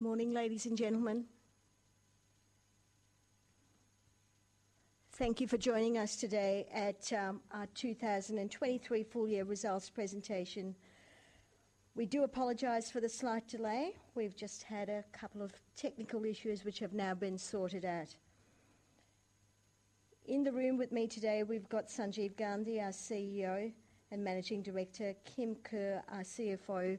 Morning, ladies and gentlemen. Thank you for joining us today at our 2023 full year results presentation. We do apologize for the slight delay. We've just had a couple of technical issues, which have now been sorted out. In the room with me today, we've got Sanjeev Gandhi, our CEO and Managing Director, Kim Kerr, our CFO, and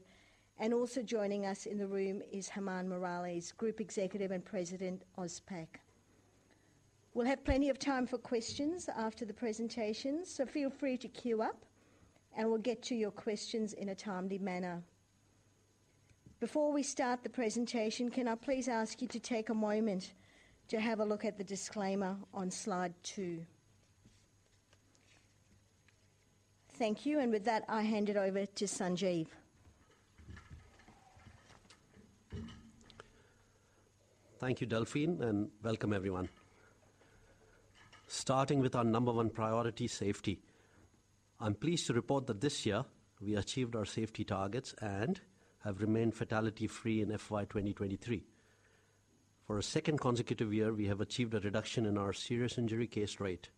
also joining us in the room is Germán Morales, Group Executive and President, AusPac. We'll have plenty of time for questions after the presentation, so feel free to queue up, and we'll get to your questions in a timely manner. Before we start the presentation, can I please ask you to take a moment to have a look at the disclaimer on slide two? Thank you, and with that, I hand it over to Sanjeev. Thank you, Delphine, and welcome everyone. Starting with our number one priority, safety. I'm pleased to report that this year we achieved our safety targets and have remained fatality-free in FY 2023. For a second consecutive year, we have achieved a reduction in our serious injury case rate.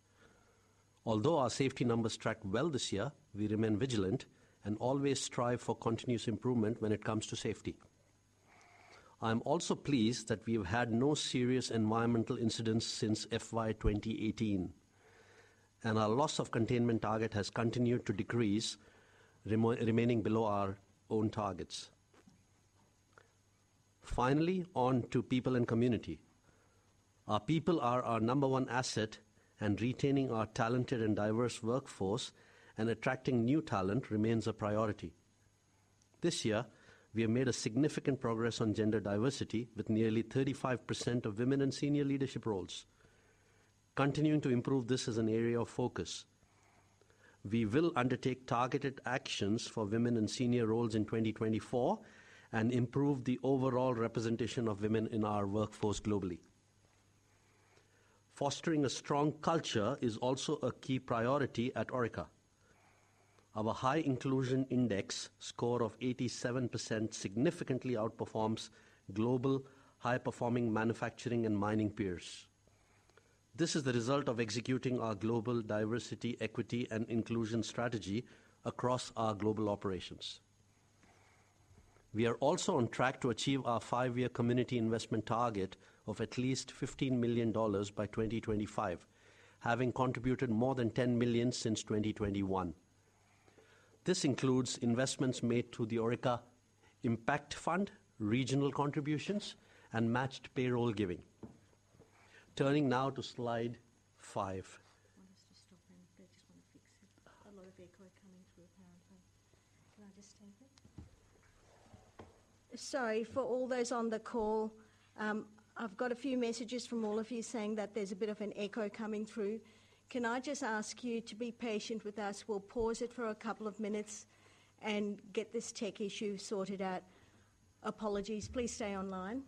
Although our safety numbers tracked well this year, we remain vigilant and always strive for continuous improvement when it comes to safety. I'm also pleased that we've had no serious environmental incidents since FY 2018, and our loss of containment target has continued to decrease, remaining below our own targets. Finally, on to people and community. Our people are our number one asset, and retaining our talented and diverse workforce and attracting new talent remains a priority. This year, we have made a significant progress on gender diversity, with nearly 35% of women in senior leadership roles. Continuing to improve this is an area of focus. We will undertake targeted actions for women in senior roles in 2024 and improve the overall representation of women in our workforce globally. Fostering a strong culture is also a key priority at Orica. Our high inclusion index score of 87% significantly outperforms global high-performing manufacturing and mining peers. This is the result of executing our global diversity, equity, and inclusion strategy across our global operations. We are also on track to achieve our five year community investment target of at least 15 million dollars by 2025, having contributed more than 10 million since 2021. This includes investments made through the Orica Impact Fund, regional contributions, and matched payroll giving. Turning now to slide five. Just stop and they just want to fix it. A lot of echo coming through, apparently. Can I just take it? Sorry, for all those on the call, I've got a few messages from all of you saying that there's a bit of an echo coming through. Can I just ask you to be patient with us? We'll pause it for a couple of minutes and get this tech issue sorted out. Apologies. Please stay online.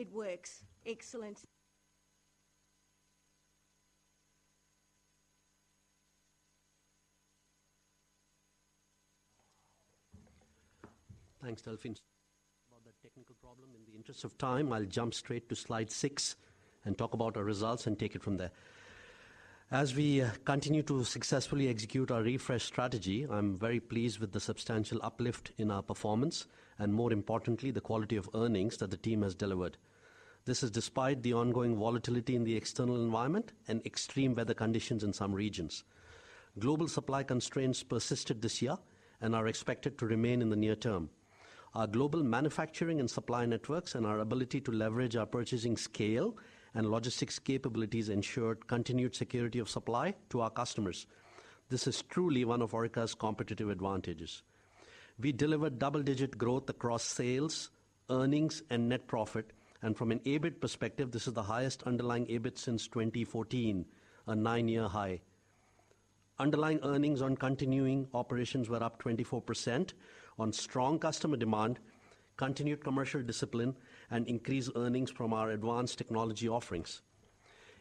It works. Excellent! Thanks, Delphine. About that technical problem, in the interest of time, I'll jump straight to slide six and talk about our results and take it from there. As we continue to successfully execute our refresh strategy, I'm very pleased with the substantial uplift in our performance, and more importantly, the quality of earnings that the team has delivered. This is despite the ongoing volatility in the external environment and extreme weather conditions in some regions. Global supply constraints persisted this year and are expected to remain in the near term. Our global manufacturing and supply networks, and our ability to leverage our purchasing scale and logistics capabilities ensured continued security of supply to our customers. This is truly one of Orica's competitive advantages. We delivered double-digit growth across sales, earnings, and net profit, and from an EBIT perspective, this is the highest underlying EBIT since 2014, a nine-year high. Underlying earnings on continuing operations were up 24% on strong customer demand, continued commercial discipline, and increased earnings from our advanced technology offerings.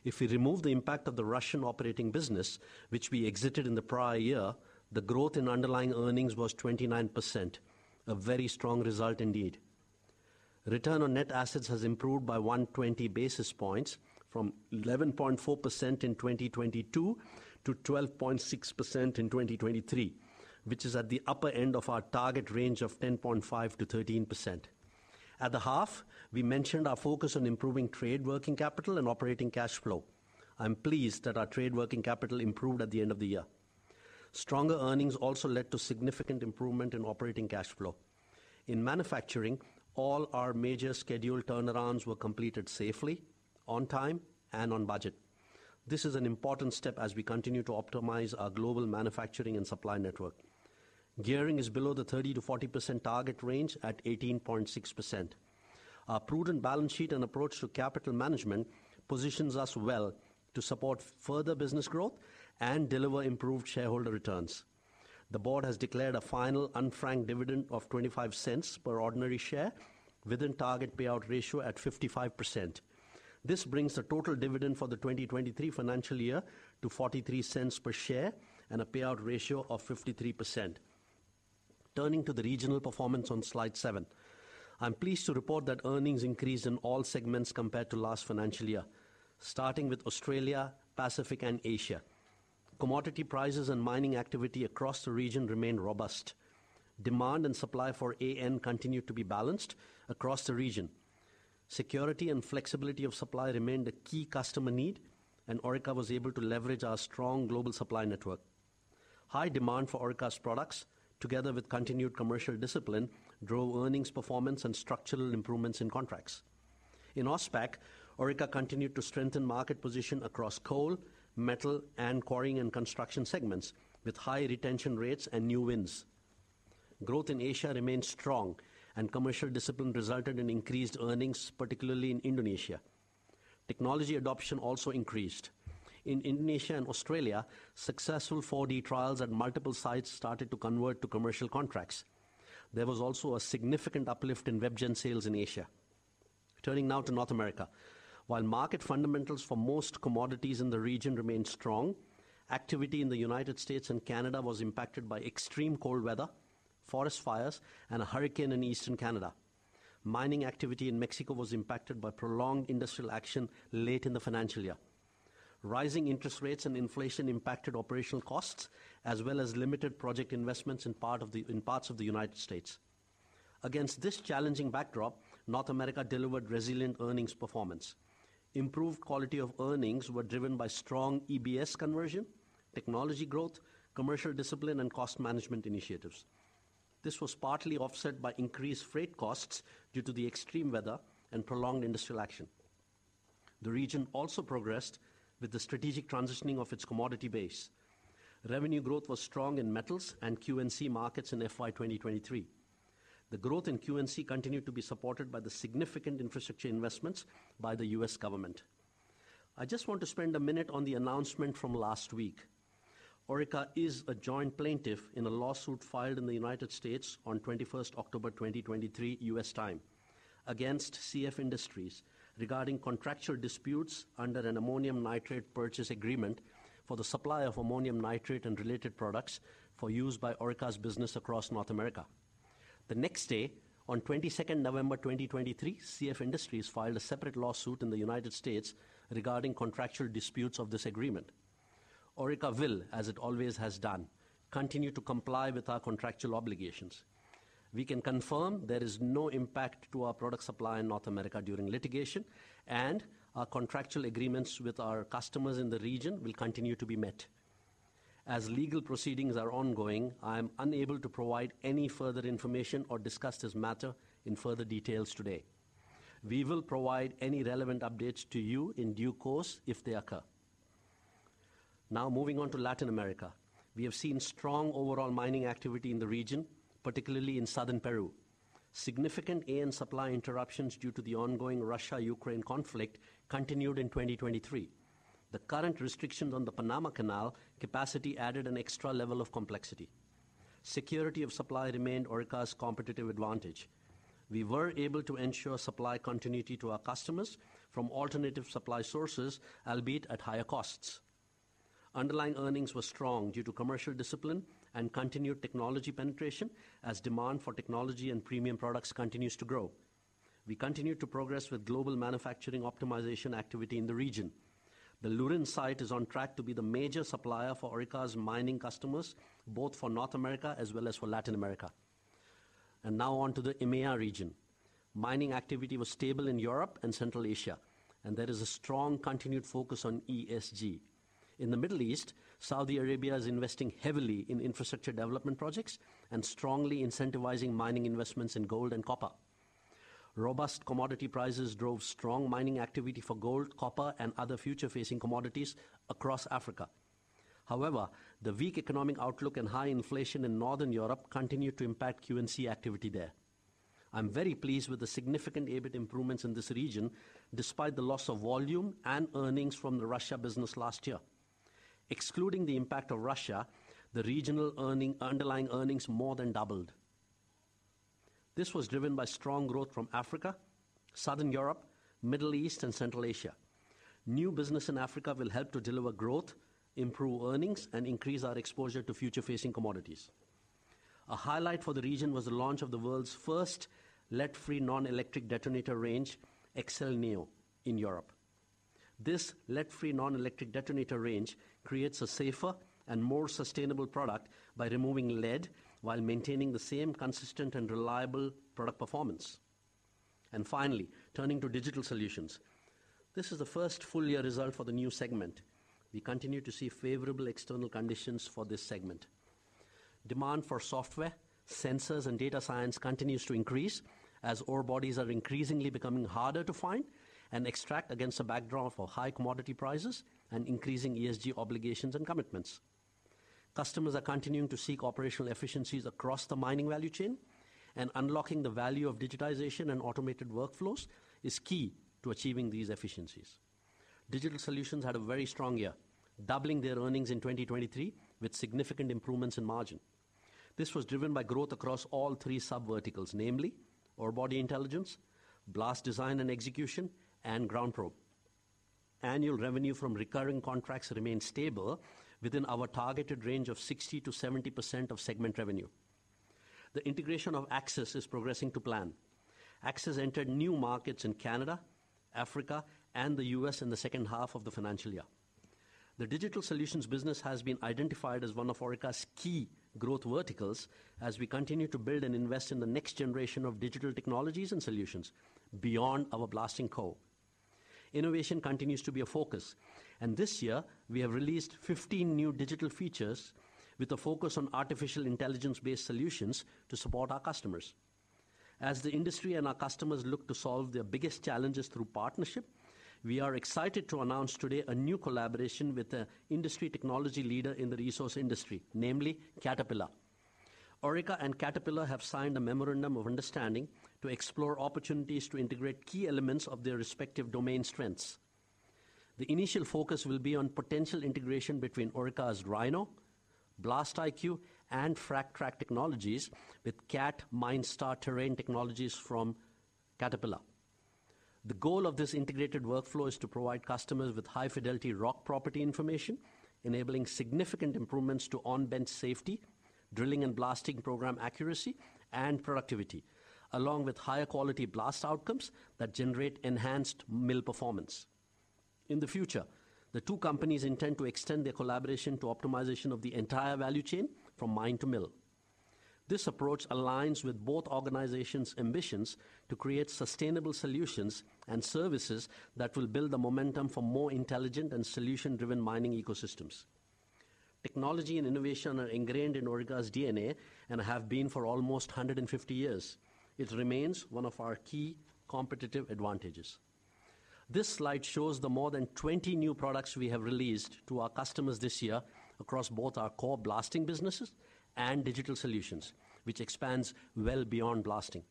If we remove the impact of the Russian operating business, which we exited in the prior year, the growth in underlying earnings was 29%. A very strong result indeed. Return on net assets has improved by 120 basis points, from 11.4% in 2022 to 12.6% in 2023, which is at the upper end of our target range of 10.5%-13%. At the half, we mentioned our focus on improving trade working capital and operating cash flow. I'm pleased that our trade working capital improved at the end of the year. Stronger earnings also led to significant improvement in operating cash flow. In manufacturing, all our major scheduled turnarounds were completed safely, on time, and on budget. This is an important step as we continue to optimize our global manufacturing and supply network. Gearing is below the 30%-40% target range at 18.6%. Our prudent balance sheet and approach to capital management positions us well to support further business growth and deliver improved shareholder returns. The board has declared a final unfranked dividend of 0.25 per ordinary share, within target payout ratio at 55%. This brings the total dividend for the 2023 financial year to 0.43 per share and a payout ratio of 53%. Turning to the regional performance on slide seven. I'm pleased to report that earnings increased in all segments compared to last financial year, starting with Australia, Pacific, and Asia. Commodity prices and mining activity across the region remained robust. Demand and supply for AN continued to be balanced across the region. Security and flexibility of supply remained a key customer need, and Orica was able to leverage our strong global supply network. High demand for Orica's products, together with continued commercial discipline, drove earnings performance and structural improvements in contracts. In AusPac, Orica continued to strengthen market position across coal, metal, and quarry and construction segments, with high retention rates and new wins. Growth in Asia remained strong, and commercial discipline resulted in increased earnings, particularly in Indonesia. Technology adoption also increased. In Indonesia and Australia, successful 4D trials at multiple sites started to convert to commercial contracts. There was also a significant uplift in WebGen sales in Asia. Turning now to North America. While market fundamentals for most commodities in the region remained strong, activity in the United States and Canada was impacted by extreme cold weather, forest fires, and a hurricane in Eastern Canada. Mining activity in Mexico was impacted by prolonged industrial action late in the financial year. Rising interest rates and inflation impacted operational costs, as well as limited project investments in parts of the United States. Against this challenging backdrop, North America delivered resilient earnings performance. Improved quality of earnings were driven by strong EBS conversion, technology growth, commercial discipline, and cost management initiatives. This was partly offset by increased freight costs due to the extreme weather and prolonged industrial action. The region also progressed with the strategic transitioning of its commodity base. Revenue growth was strong in metals and Q&C markets in FY 2023. The growth in Q&C continued to be supported by the significant infrastructure investments by the U.S. government. I just want to spend a minute on the announcement from last week. Orica is a joint plaintiff in a lawsuit filed in the United States on October 21, 2023, U.S. time, against CF Industries, regarding contractual disputes under an ammonium nitrate purchase agreement for the supply of ammonium nitrate and related products for use by Orica's business across North America. The next day, on October 22nd, 2023, CF Industries filed a separate lawsuit in the United States regarding contractual disputes of this agreement. Orica will, as it always has done, continue to comply with our contractual obligations. We can confirm there is no impact to our product supply in North America during litigation, and our contractual agreements with our customers in the region will continue to be met. As legal proceedings are ongoing, I am unable to provide any further information or discuss this matter in further details today. We will provide any relevant updates to you in due course, if they occur. Now, moving on to Latin America. We have seen strong overall mining activity in the region, particularly in southern Peru. Significant AN supply interruptions due to the ongoing Russia-Ukraine conflict continued in 2023. The current restrictions on the Panama Canal capacity added an extra level of complexity. Security of supply remained Orica's competitive advantage. We were able to ensure supply continuity to our customers from alternative supply sources, albeit at higher costs. Underlying earnings were strong due to commercial discipline and continued technology penetration, as demand for technology and premium products continues to grow. We continued to progress with global manufacturing optimization activity in the region. The Lurin site is on track to be the major supplier for Orica's mining customers, both for North America as well as for Latin America. Now on to the EMEA region. Mining activity was stable in Europe and Central Asia, and there is a strong continued focus on ESG. In the Middle East, Saudi Arabia is investing heavily in infrastructure development projects and strongly incentivizing mining investments in gold and copper. Robust commodity prices drove strong mining activity for gold, copper, and other future-facing commodities across Africa. However, the weak economic outlook and high inflation in Northern Europe continued to impact Q&C activity there. I'm very pleased with the significant EBIT improvements in this region, despite the loss of volume and earnings from the Russia business last year. Excluding the impact of Russia, the regional underlying earnings more than doubled. This was driven by strong growth from Africa, Southern Europe, Middle East, and Central Asia. New business in Africa will help to deliver growth, improve earnings, and increase our exposure to future-facing commodities. A highlight for the region was the launch of the world's first lead-free non-electric detonator range, Exel Neo, in Europe. This lead-free non-electric detonator range creates a safer and more sustainable product by removing lead while maintaining the same consistent and reliable product performance. Finally, turning to digital solutions. This is the first full year result for the new segment. We continue to see favorable external conditions for this segment. Demand for software, sensors, and data science continues to increase as ore bodies are increasingly becoming harder to find and extract against a backdrop of high commodity prices and increasing ESG obligations and commitments. Customers are continuing to seek operational efficiencies across the mining value chain, and unlocking the value of digitization and automated workflows is key to achieving these efficiencies. Digital solutions had a very strong year, doubling their earnings in 2023, with significant improvements in margin. This was driven by growth across all three sub verticals, namely Orebody Intelligence, Blast Design and Execution, and GroundProbe. Annual revenue from recurring contracts remained stable within our targeted range of 60%-70% of segment revenue. The integration of Axis is progressing to plan. Axis entered new markets in Canada, Africa, and the U.S. in the second half of the financial year. The digital solutions business has been identified as one of Orica's key growth verticals as we continue to build and invest in the next generation of digital technologies and solutions beyond our blasting coal. Innovation continues to be a focus, and this year we have released 15 new digital features with a focus on artificial intelligence-based solutions to support our customers. As the industry and our customers look to solve their biggest challenges through partnership, we are excited to announce today a new collaboration with a industry technology leader in the resource industry, namely Caterpillar. Orica and Caterpillar have signed a memorandum of understanding to explore opportunities to integrate key elements of their respective domain strengths. The initial focus will be on potential integration between Orica's RHINO, Blast IQ, and FRAGTrack technologies with Cat MineStar Terrain technologies from Caterpillar.... The goal of this integrated workflow is to provide customers with high-fidelity rock property information, enabling significant improvements to on-bench safety, drilling and blasting program accuracy, and productivity, along with higher quality blast outcomes that generate enhanced mill performance. In the future, the two companies intend to extend their collaboration to optimization of the entire value chain from mine to mill. This approach aligns with both organizations' ambitions to create sustainable solutions and services that will build the momentum for more intelligent and solution-driven mining ecosystems. Technology and innovation are ingrained in Orica's DNA and have been for almost 150 years. It remains one of our key competitive advantages. This slide shows the more than 20 new products we have released to our customers this year across both our core blasting businesses and digital solutions, which expands well beyond blasting.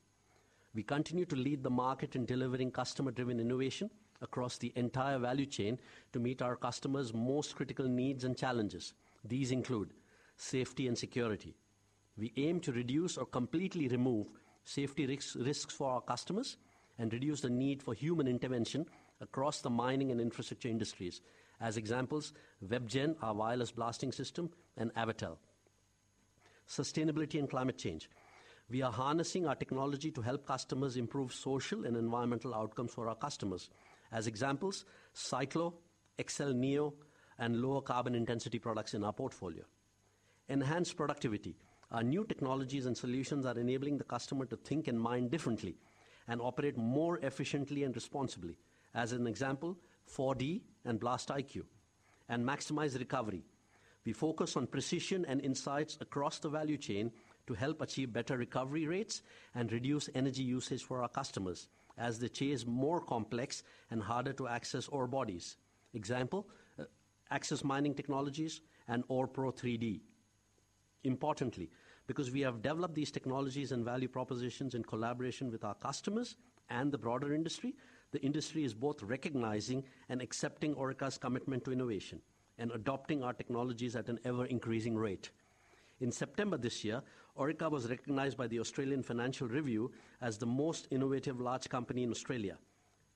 We continue to lead the market in delivering customer-driven innovation across the entire value chain to meet our customers' most critical needs and challenges. These include safety and security. We aim to reduce or completely remove safety risks for our customers and reduce the need for human intervention across the mining and infrastructure industries. As examples, WebGen, our wireless blasting system, and Avatel. Sustainability and climate change. We are harnessing our technology to help customers improve social and environmental outcomes for our customers. As examples, Cyclo, Exel Neo, and lower carbon intensity products in our portfolio. Enhanced productivity. Our new technologies and solutions are enabling the customer to think and mine differently and operate more efficiently and responsibly. As an example, 4D and Blast IQ. Maximize recovery. We focus on precision and insights across the value chain to help achieve better recovery rates and reduce energy usage for our customers as the chase more complex and harder to access ore bodies. Example, Axis Mining Technology and OREPro 3D. Importantly, because we have developed these technologies and value propositions in collaboration with our customers and the broader industry, the industry is both recognizing and accepting Orica's commitment to innovation and adopting our technologies at an ever-increasing rate. In September this year, Orica was recognized by the Australian Financial Review as the most innovative large company in Australia,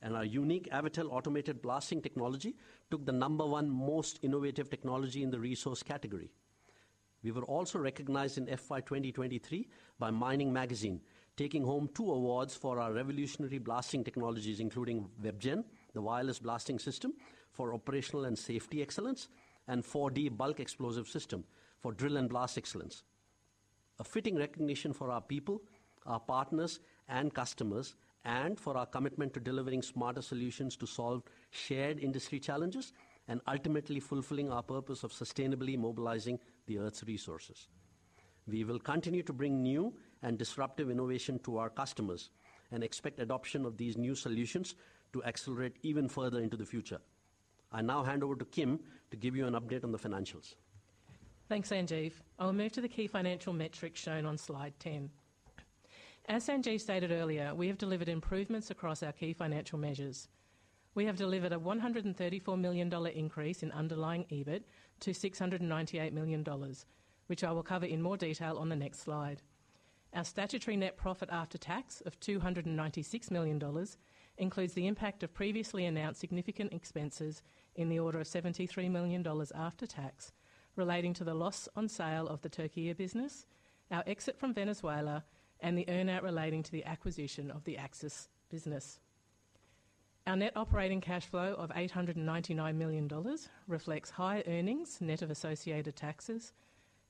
and our unique Avatel automated blasting technology took the number 1 most innovative technology in the resource category. We were also recognized in FY 2023 by Mining Magazine, taking home two awards for our revolutionary blasting technologies, including WebGen, the wireless blasting system, for operational and safety excellence, and 4D bulk explosive system for drill and blast excellence. A fitting recognition for our people, our partners, and customers, and for our commitment to delivering smarter solutions to solve shared industry challenges and ultimately fulfilling our purpose of sustainably mobilizing the Earth's resources. We will continue to bring new and disruptive innovation to our customers and expect adoption of these new solutions to accelerate even further into the future. I now hand over to Kim to give you an update on the financials. Thanks, Sanjeev. I'll move to the key financial metrics shown on slide 10. As Sanjeev stated earlier, we have delivered improvements across our key financial measures. We have delivered a 134 million dollar increase in underlying EBIT to 698 million dollars, which I will cover in more detail on the next slide. Our statutory net profit after tax of 296 million dollars includes the impact of previously announced significant expenses in the order of 73 million dollars after tax, relating to the loss on sale of the Türkiye business, our exit from Venezuela, and the earn-out relating to the acquisition of the Axis business. Our net operating cash flow of 899 million dollars reflects higher earnings, net of associated taxes,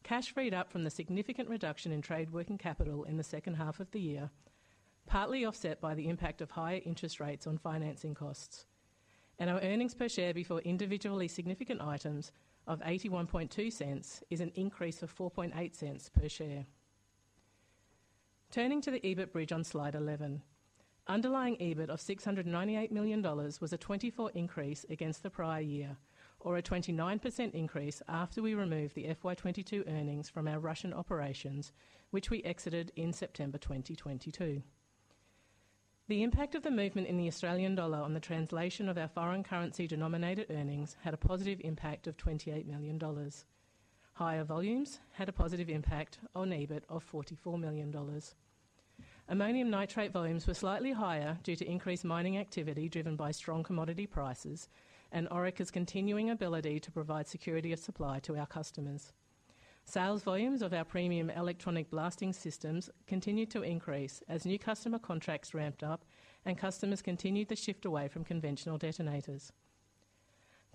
cash freed up from the significant reduction in trade working capital in the second half of the year, partly offset by the impact of higher interest rates on financing costs. Our earnings per share before individually significant items of 0.812 is an increase of 0.048 per share. Turning to the EBIT bridge on slide 11. Underlying EBIT of 698 million dollars was a 24% increase against the prior year or a 29% increase after we removed the FY 2022 earnings from our Russian operations, which we exited in September 2022. The impact of the movement in the Australian dollar on the translation of our foreign currency denominated earnings had a positive impact of 28 million dollars. Higher volumes had a positive impact on EBIT of 44 million dollars. Ammonium nitrate volumes were slightly higher due to increased mining activity, driven by strong commodity prices and Orica's continuing ability to provide security of supply to our customers. Sales volumes of our premium electronic blasting systems continued to increase as new customer contracts ramped up and customers continued to shift away from conventional detonators.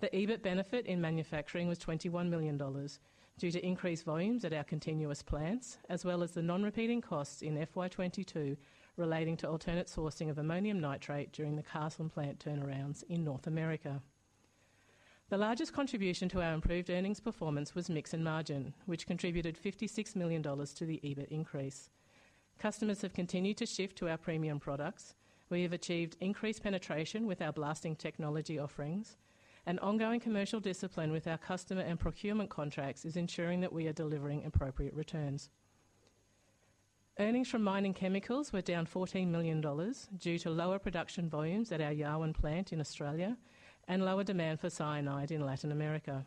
The EBIT benefit in manufacturing was 21 million dollars due to increased volumes at our continuous plants, as well as the non-repeating costs in FY 2022 relating to alternate sourcing of ammonium nitrate during the Castlemaine plant turnarounds in North America. The largest contribution to our improved earnings performance was mix and margin, which contributed 56 million dollars to the EBIT increase. Customers have continued to shift to our premium products. We have achieved increased penetration with our blasting technology offerings, and ongoing commercial discipline with our customer and procurement contracts is ensuring that we are delivering appropriate returns. Earnings from mining chemicals were down 14 million dollars due to lower production volumes at our Yarwun plant in Australia and lower demand for cyanide in Latin America.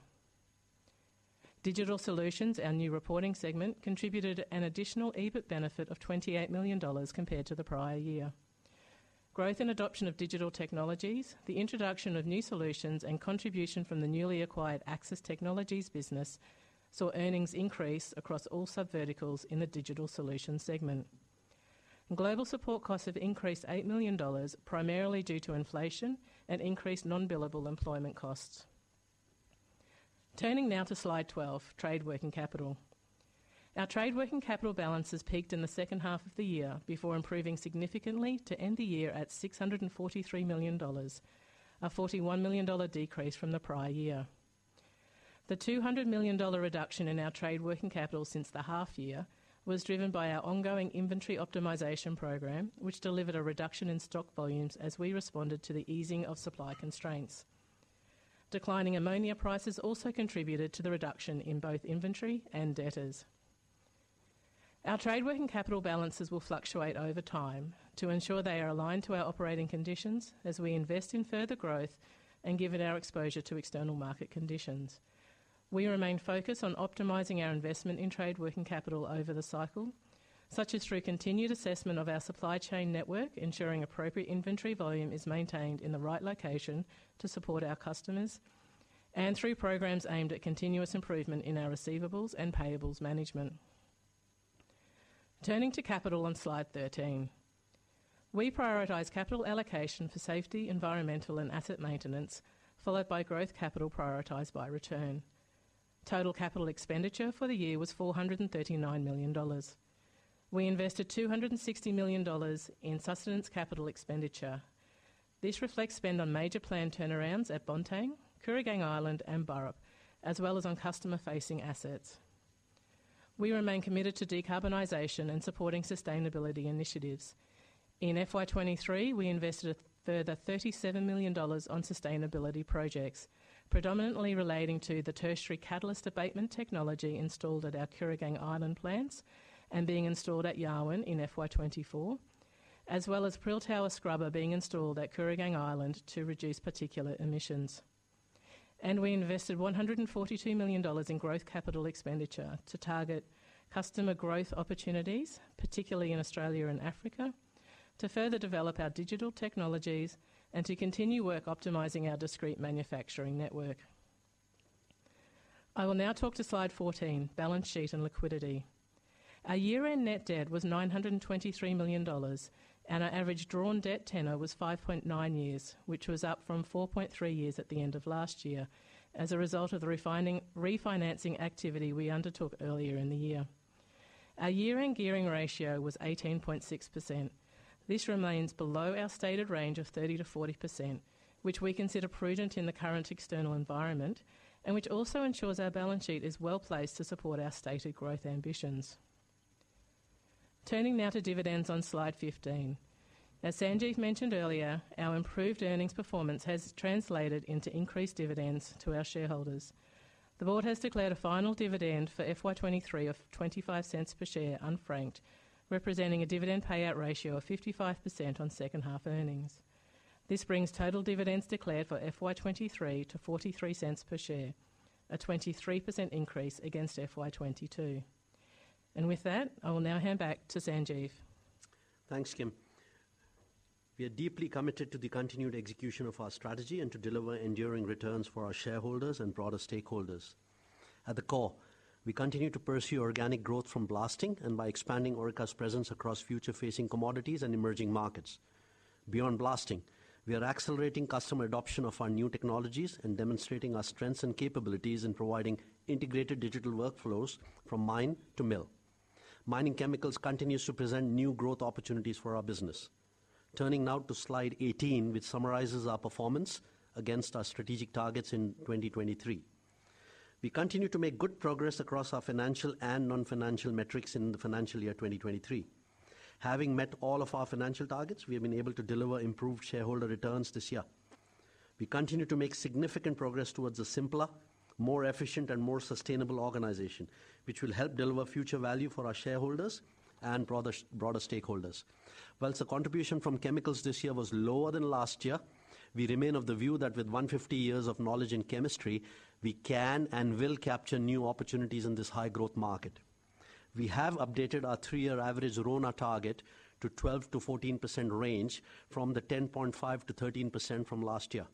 Digital solutions, our new reporting segment, contributed an additional EBIT benefit of 28 million dollars compared to the prior year. Growth in adoption of digital technologies, the introduction of new solutions, and contribution from the newly acquired Axis Mining Technology business, saw earnings increase across all subverticals in the digital solutions segment. Global support costs have increased 8 million dollars, primarily due to inflation and increased non-billable employment costs. Turning now to Slide 12, Trade Working Capital. Our trade working capital balances peaked in the second half of the year before improving significantly to end the year at 643 million dollars, a 41 million dollar decrease from the prior year. The 200 million dollar reduction in our trade working capital since the half year was driven by our ongoing inventory optimization program, which delivered a reduction in stock volumes as we responded to the easing of supply constraints. Declining ammonia prices also contributed to the reduction in both inventory and debtors. Our trade working capital balances will fluctuate over time to ensure they are aligned to our operating conditions as we invest in further growth and given our exposure to external market conditions. We remain focused on optimizing our investment in trade working capital over the cycle, such as through continued assessment of our supply chain network, ensuring appropriate inventory volume is maintained in the right location to support our customers, and through programs aimed at continuous improvement in our receivables and payables management. Turning to capital on Slide 13. We prioritize capital allocation for safety, environmental, and asset maintenance, followed by growth capital prioritized by return. Total capital expenditure for the year was 439 million dollars. We invested 260 million dollars in sustenance capital expenditure. This reflects spend on major planned turnarounds at Bontan, Kooragang Island, and Burrup, as well as on customer-facing assets. We remain committed to decarbonization and supporting sustainability initiatives. In FY 2023, we invested a further 37 million dollars on sustainability projects, predominantly relating to the tertiary catalyst abatement technology installed at our Kooragang Island plants and being installed at Yarwun in FY 2024, as well as prill tower scrubber being installed at Kooragang Island to reduce particulate emissions. We invested 142 million dollars in growth capital expenditure to target customer growth opportunities, particularly in Australia and Africa, to further develop our digital technologies and to continue work optimizing our discrete manufacturing network. I will now talk to Slide 14, Balance Sheet and Liquidity. Our year-end net debt was 923 million dollars, and our average drawn debt tenor was 5.9 years, which was up from 4.3 years at the end of last year, as a result of the refinancing activity we undertook earlier in the year. Our year-end gearing ratio was 18.6%. This remains below our stated range of 30%-40%, which we consider prudent in the current external environment, and which also ensures our balance sheet is well-placed to support our stated growth ambitions. Turning now to dividends on Slide 15. As Sanjeev mentioned earlier, our improved earnings performance has translated into increased dividends to our shareholders. The board has declared a final dividend for FY 2023 of 0.25 per share, unfranked, representing a dividend payout ratio of 55% on second half earnings. This brings total dividends declared for FY 2023 to 0.43 per share, a 23% increase against FY 2022. With that, I will now hand back to Sanjeev. Thanks, Kim. We are deeply committed to the continued execution of our strategy and to deliver enduring returns for our shareholders and broader stakeholders. At the core, we continue to pursue organic growth from blasting and by expanding Orica's presence across future-facing commodities and emerging markets. Beyond blasting, we are accelerating customer adoption of our new technologies and demonstrating our strengths and capabilities in providing integrated digital workflows from mine to mill. Mining chemicals continues to present new growth opportunities for our business. Turning now to Slide 18, which summarizes our performance against our strategic targets in 2023. We continued to make good progress across our financial and non-financial metrics in the financial year 2023. Having met all of our financial targets, we have been able to deliver improved shareholder returns this year. We continue to make significant progress towards a simpler, more efficient, and more sustainable organization, which will help deliver future value for our shareholders and broader, broader stakeholders. While the contribution from chemicals this year was lower than last year, we remain of the view that with 150 years of knowledge in chemistry, we can and will capture new opportunities in this high-growth market. We have updated our three-year average RONA target to 12%-14% range from the 10.5%-13% from last year.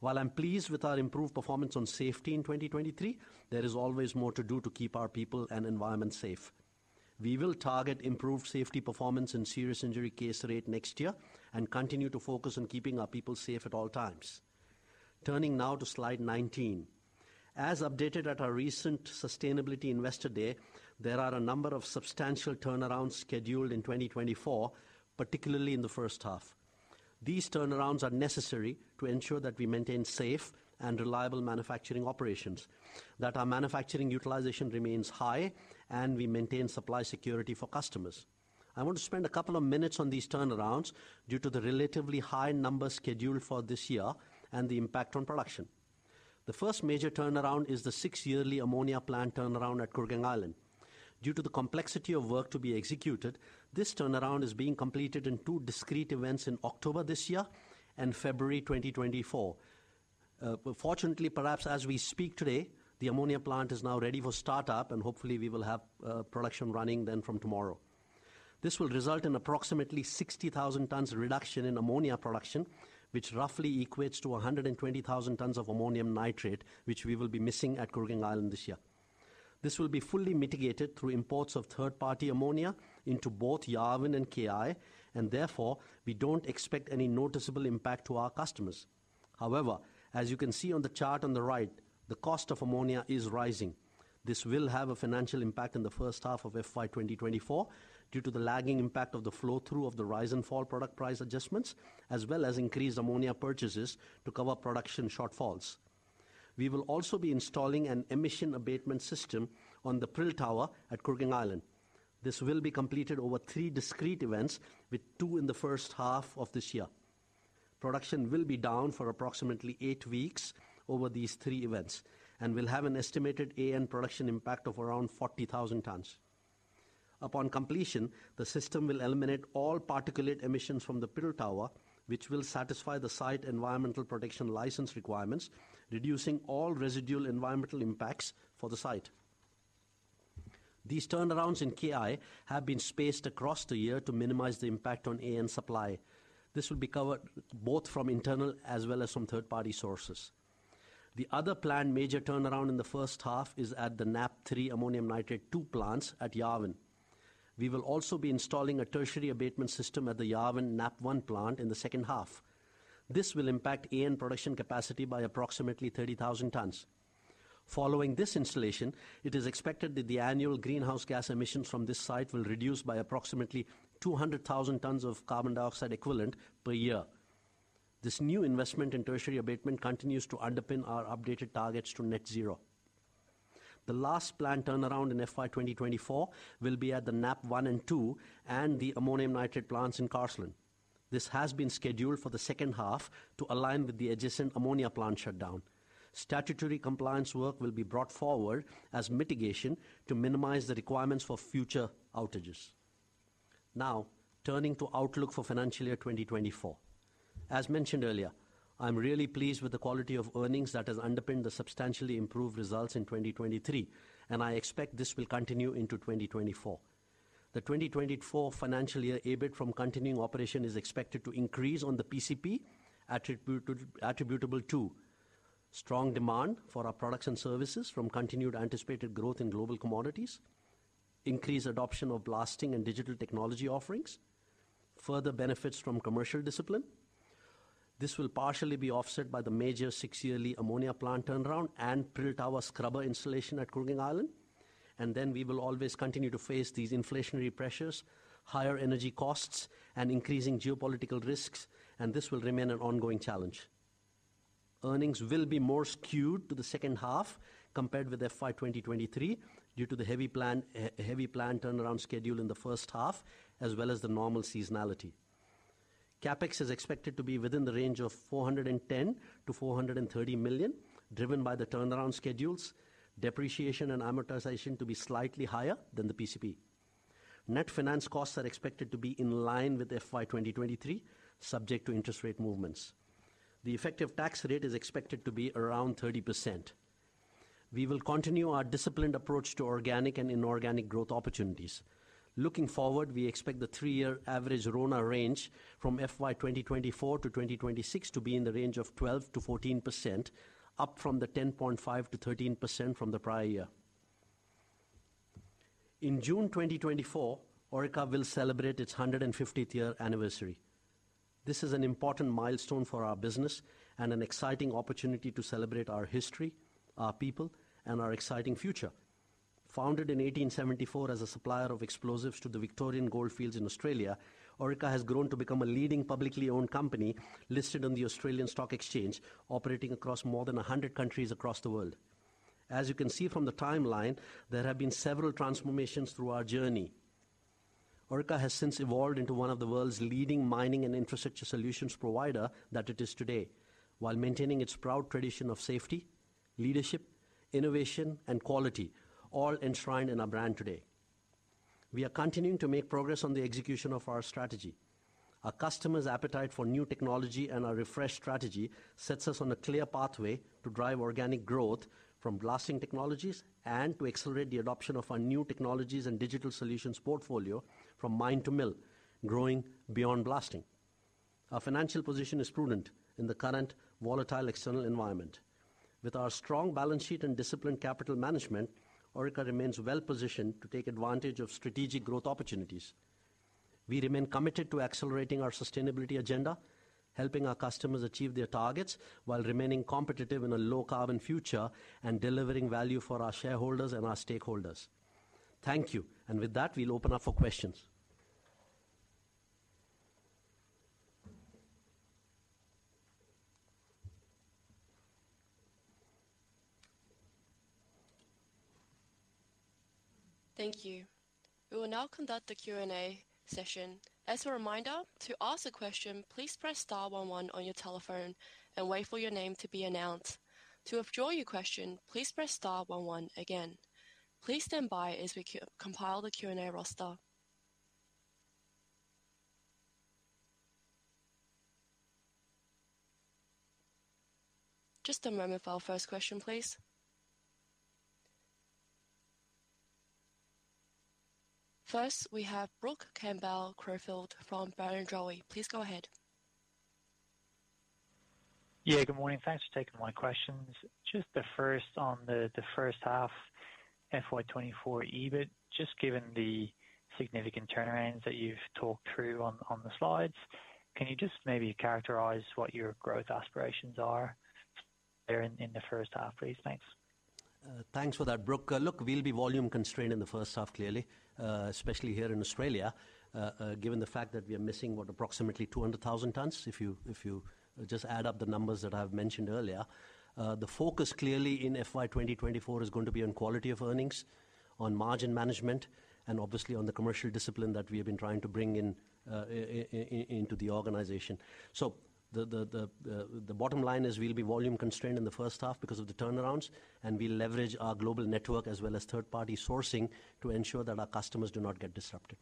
While I'm pleased with our improved performance on safety in 2023, there is always more to do to keep our people and environment safe. We will target improved safety performance and serious injury case rate next year and continue to focus on keeping our people safe at all times. Turning now to Slide 19. As updated at our recent Sustainability Investor Day, there are a number of substantial turnarounds scheduled in 2024, particularly in the first half. These turnarounds are necessary to ensure that we maintain safe and reliable manufacturing operations, that our manufacturing utilization remains high, and we maintain supply security for customers. I want to spend a couple of minutes on these turnarounds due to the relatively high numbers scheduled for this year and the impact on production. The first major turnaround is the six yearly ammonia plant turnaround at Kooragang Island... due to the complexity of work to be executed, this turnaround is being completed in two discrete events in October this year and February 2024. But fortunately, perhaps as we speak today, the ammonia plant is now ready for startup, and hopefully, we will have production running then from tomorrow. This will result in approximately 60,000 tons reduction in ammonia production, which roughly equates to 120,000 tons of ammonium nitrate, which we will be missing at Kooragang Island this year. This will be fully mitigated through imports of third-party ammonia into both Yarwun and KI, and therefore, we don't expect any noticeable impact to our customers. However, as you can see on the chart on the right, the cost of ammonia is rising. This will have a financial impact in the first half of FY 2024 due to the lagging impact of the flow-through of the rise and fall product price adjustments, as well as increased ammonia purchases to cover production shortfalls. We will also be installing an emissions abatement system on the prill tower at Kooragang Island. This will be completed over three discrete events, with two in the first half of this year. Production will be down for approximately eight weeks over these three events and will have an estimated AN production impact of around 40,000 tons. Upon completion, the system will eliminate all particulate emissions from the prill tower, which will satisfy the site environmental protection license requirements, reducing all residual environmental impacts for the site. These turnarounds in KI have been spaced across the year to minimize the impact on AN supply. This will be covered both from internal as well as from third-party sources. The other planned major turnaround in the first half is at the NAP 3 ammonium nitrate two plants at Yarwun. We will also be installing a tertiary abatement system at the Yarwun NAP 1 plant in the second half. This will impact AN production capacity by approximately 30,000 tons. Following this installation, it is expected that the annual greenhouse gas emissions from this site will reduce by approximately 200,000 tons of carbon dioxide equivalent per year. This new investment in tertiary abatement continues to underpin our updated targets to net zero. The last planned turnaround in FY 2024 will be at the NAP 1 and 2 and the ammonium nitrate plants in Carseland. This has been scheduled for the second half to align with the adjacent ammonia plant shutdown. Statutory compliance work will be brought forward as mitigation to minimize the requirements for future outages. Now, turning to outlook for financial year 2024. As mentioned earlier, I'm really pleased with the quality of earnings that has underpinned the substantially improved results in 2023, and I expect this will continue into 2024. The 2024 financial year EBIT from continuing operations is expected to increase on the PCP, attributable to strong demand for our products and services from continued anticipated growth in global commodities, increased adoption of blasting and digital technology offerings, further benefits from commercial discipline. This will partially be offset by the major six-yearly ammonia plant turnaround and prill tower scrubber installation at Kooragang Island. And then we will always continue to face these inflationary pressures, higher energy costs, and increasing geopolitical risks, and this will remain an ongoing challenge. Earnings will be more skewed to the second half compared with FY 2023, due to the heavy planned turnaround schedule in the first half, as well as the normal seasonality. CapEx is expected to be within the range of 410 million-430 million, driven by the turnaround schedules, depreciation and amortization to be slightly higher than the PCP. Net finance costs are expected to be in line with FY 2023, subject to interest rate movements. The effective tax rate is expected to be around 30%. We will continue our disciplined approach to organic and inorganic growth opportunities. Looking forward, we expect the three-year average RONA range from FY 2024 to 2026 to be in the range of 12%-14%, up from the 10.5%-13% from the prior year. In June 2024, Orica will celebrate its 150th year anniversary. This is an important milestone for our business and an exciting opportunity to celebrate our history, our people, and our exciting future. Founded in 1874 as a supplier of explosives to the Victorian goldfields in Australia, Orica has grown to become a leading publicly owned company listed on the Australian Securities Exchange, operating across more than 100 countries across the world. As you can see from the timeline, there have been several transformations through our journey. Orica has since evolved into one of the world's leading mining and infrastructure solutions provider that it is today, while maintaining its proud tradition of safety, leadership, innovation, and quality, all enshrined in our brand today. We are continuing to make progress on the execution of our strategy. Our customers' appetite for new technology and our refreshed strategy sets us on a clear pathway to drive organic growth from blasting technologies and to accelerate the adoption of our new technologies and digital solutions portfolio from mine to mill, growing beyond blasting. Our financial position is prudent in the current volatile external environment. With our strong balance sheet and disciplined capital management, Orica remains well positioned to take advantage of strategic growth opportunities. We remain committed to accelerating our sustainability agenda, helping our customers achieve their targets while remaining competitive in a low-carbon future and delivering value for our shareholders and our stakeholders. Thank you. With that, we'll open up for questions. Thank you. ... We will now conduct the Q&A session. As a reminder, to ask a question, please press star one one on your telephone and wait for your name to be announced. To withdraw your question, please press star one one again. Please stand by as we compile the Q&A roster. Just a moment for our first question, please. First, we have Brooke Campbell-Crawford from Barrenjoey. Please go ahead. Yeah, good morning. Thanks for taking my questions. Just the first on the first half, FY 2024 EBIT. Just given the significant turnarounds that you've talked through on the slides, can you just maybe characterize what your growth aspirations are there in the first half, please? Thanks. Thanks for that, Brooke. Look, we'll be volume constrained in the first half, clearly, especially here in Australia. Given the fact that we are missing what? Approximately 200,000 tons, if you just add up the numbers that I've mentioned earlier. The focus, clearly in FY 2024 is going to be on quality of earnings, on margin management, and obviously on the commercial discipline that we have been trying to bring into the organization. So the bottom line is we'll be volume constrained in the first half because of the turnarounds, and we'll leverage our global network as well as third-party sourcing to ensure that our customers do not get disrupted.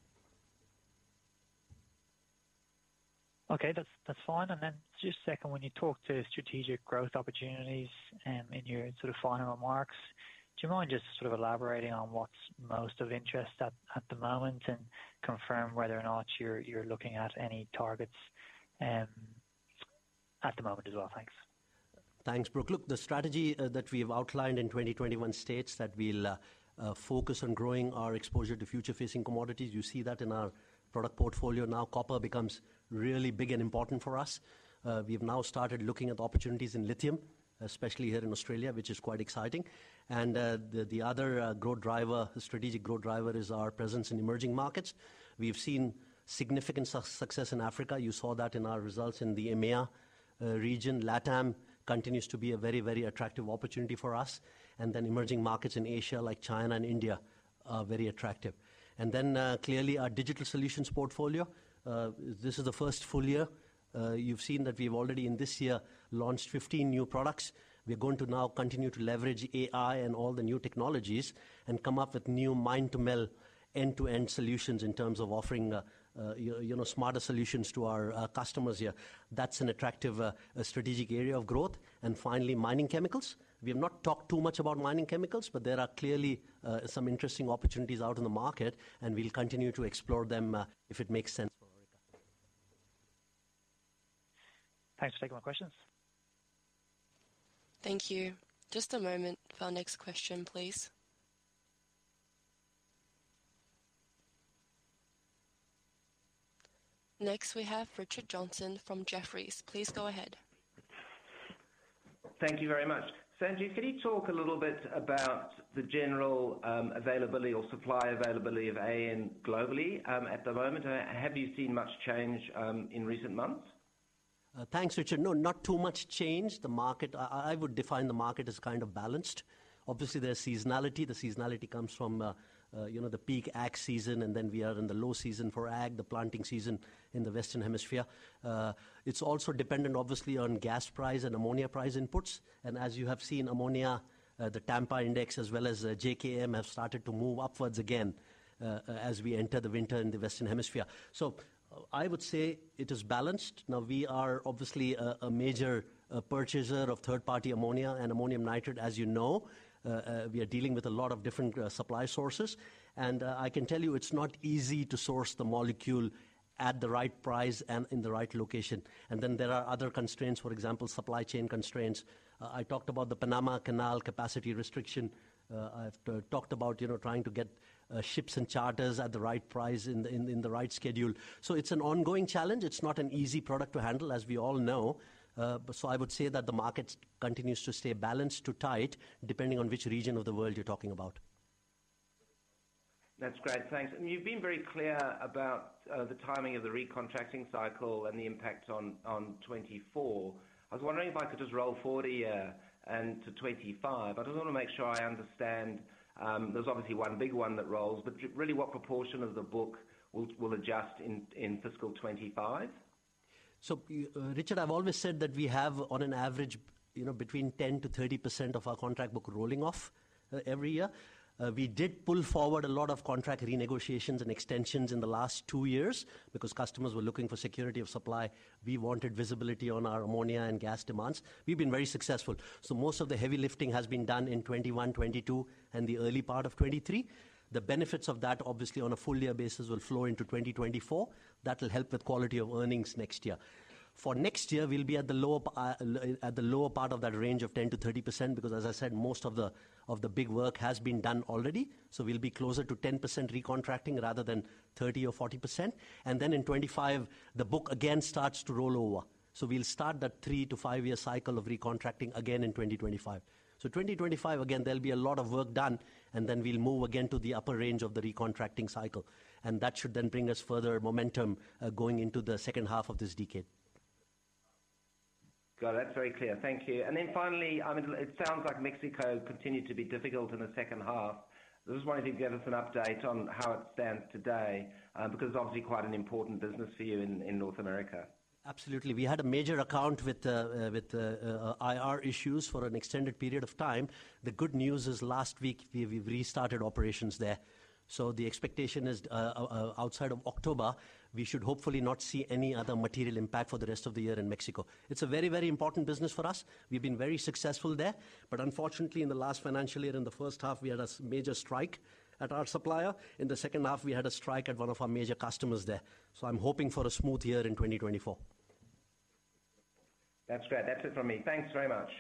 Okay, that's, that's fine. And then just second, when you talk to strategic growth opportunities, in your sort of final remarks, do you mind just sort of elaborating on what's most of interest at, at the moment and confirm whether or not you're, you're looking at any targets, at the moment as well? Thanks. Thanks, Brooke. Look, the strategy that we've outlined in 2021 states that we'll focus on growing our exposure to future facing commodities. You see that in our product portfolio. Now, copper becomes really big and important for us. We have now started looking at opportunities in lithium, especially here in Australia, which is quite exciting. And the other growth driver, strategic growth driver is our presence in emerging markets. We've seen significant success in Africa. You saw that in our results in the EMEA region. LatAm continues to be a very, very attractive opportunity for us, and then emerging markets in Asia, like China and India, are very attractive. And then clearly, our digital solutions portfolio, this is the first full year. You've seen that we've already, in this year, launched 15 new products. We're going to now continue to leverage AI and all the new technologies and come up with new mine-to-mill, end-to-end solutions in terms of offering, you know, smarter solutions to our customers here. That's an attractive strategic area of growth. And finally, mining chemicals. We have not talked too much about mining chemicals, but there are clearly some interesting opportunities out in the market, and we'll continue to explore them if it makes sense for our company. Thanks for taking my questions. Thank you. Just a moment for our next question, please. Next, we have Richard Johnson from Jefferies. Please go ahead. Thank you very much. Sanjeev, can you talk a little bit about the general availability or supply availability of AN globally, at the moment? And have you seen much change in recent months? Thanks, Richard. No, not too much change. The market... I would define the market as kind of balanced. Obviously, there's seasonality. The seasonality comes from, you know, the peak ag season, and then we are in the low season for ag, the planting season in the Western Hemisphere. It's also dependent, obviously, on gas price and ammonia price inputs. And as you have seen, ammonia, the Tampa Index, as well as JKM, have started to move upwards again, as we enter the winter in the Western Hemisphere. So I would say it is balanced. Now, we are obviously a major purchaser of third-party ammonia and ammonium nitrate, as you know. We are dealing with a lot of different supply sources, and I can tell you it's not easy to source the molecule at the right price and in the right location. And then there are other constraints, for example, supply chain constraints. I talked about the Panama Canal capacity restriction. I've talked about, you know, trying to get ships and charters at the right price in the right schedule. So it's an ongoing challenge. It's not an easy product to handle, as we all know. So I would say that the market continues to stay balanced to tight, depending on which region of the world you're talking about. That's great. Thanks. You've been very clear about the timing of the recontracting cycle and the impact on 2024. I was wondering if I could just roll forward a year and to 2025. I just wanna make sure I understand. There's obviously one big one that rolls, but really, what proportion of the book will adjust in fiscal 2025? So, Richard, I've always said that we have, on an average, you know, between 10%-30% of our contract book rolling off every year. We did pull forward a lot of contract renegotiations and extensions in the last two years because customers were looking for security of supply. We wanted visibility on our ammonia and gas demands. We've been very successful. So most of the heavy lifting has been done in 2021, 2022, and the early part of 2023. The benefits of that, obviously, on a full year basis, will flow into 2024. That will help with quality of earnings next year. For next year, we'll be at the lower part of that range of 10%-30%, because as I said, most of the big work has been done already. We'll be closer to 10% recontracting rather than 30% or 40%. Then in 2025, the book again starts to roll over. We'll start that three to five year cycle of recontracting again in 2025. 2025, again, there'll be a lot of work done, and then we'll move again to the upper range of the recontracting cycle, and that should then bring us further momentum going into the second half of this decade.... Got it. That's very clear. Thank you. And then finally, it sounds like Mexico continued to be difficult in the second half. I just wondered if you could give us an update on how it stands today, because it's obviously quite an important business for you in North America. Absolutely. We had a major account with the, with the, IR issues for an extended period of time. The good news is last week we, we've restarted operations there. So the expectation is, outside of October, we should hopefully not see any other material impact for the rest of the year in Mexico. It's a very, very important business for us. We've been very successful there, but unfortunately, in the last financial year, in the first half, we had a major strike at our supplier. In the second half, we had a strike at one of our major customers there. So I'm hoping for a smooth year in 2024. That's great. That's it from me. Thanks very much.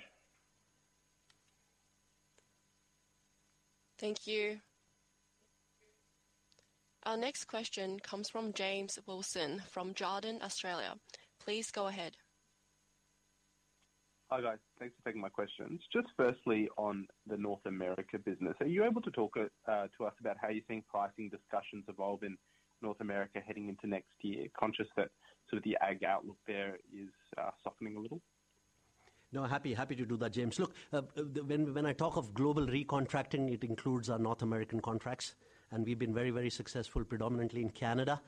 Thank you. Our next question comes from James Wilson from Jarden Australia. Please go ahead. Hi, guys. Thanks for taking my questions. Just firstly, on the North America business, are you able to talk to us about how you think pricing discussions evolve in North America heading into next year? Conscious that sort of the ag outlook there is softening a little. No, happy to do that, James. Look, when I talk of global recontracting, it includes our North American contracts, and we've been very, very successful, predominantly in Canada,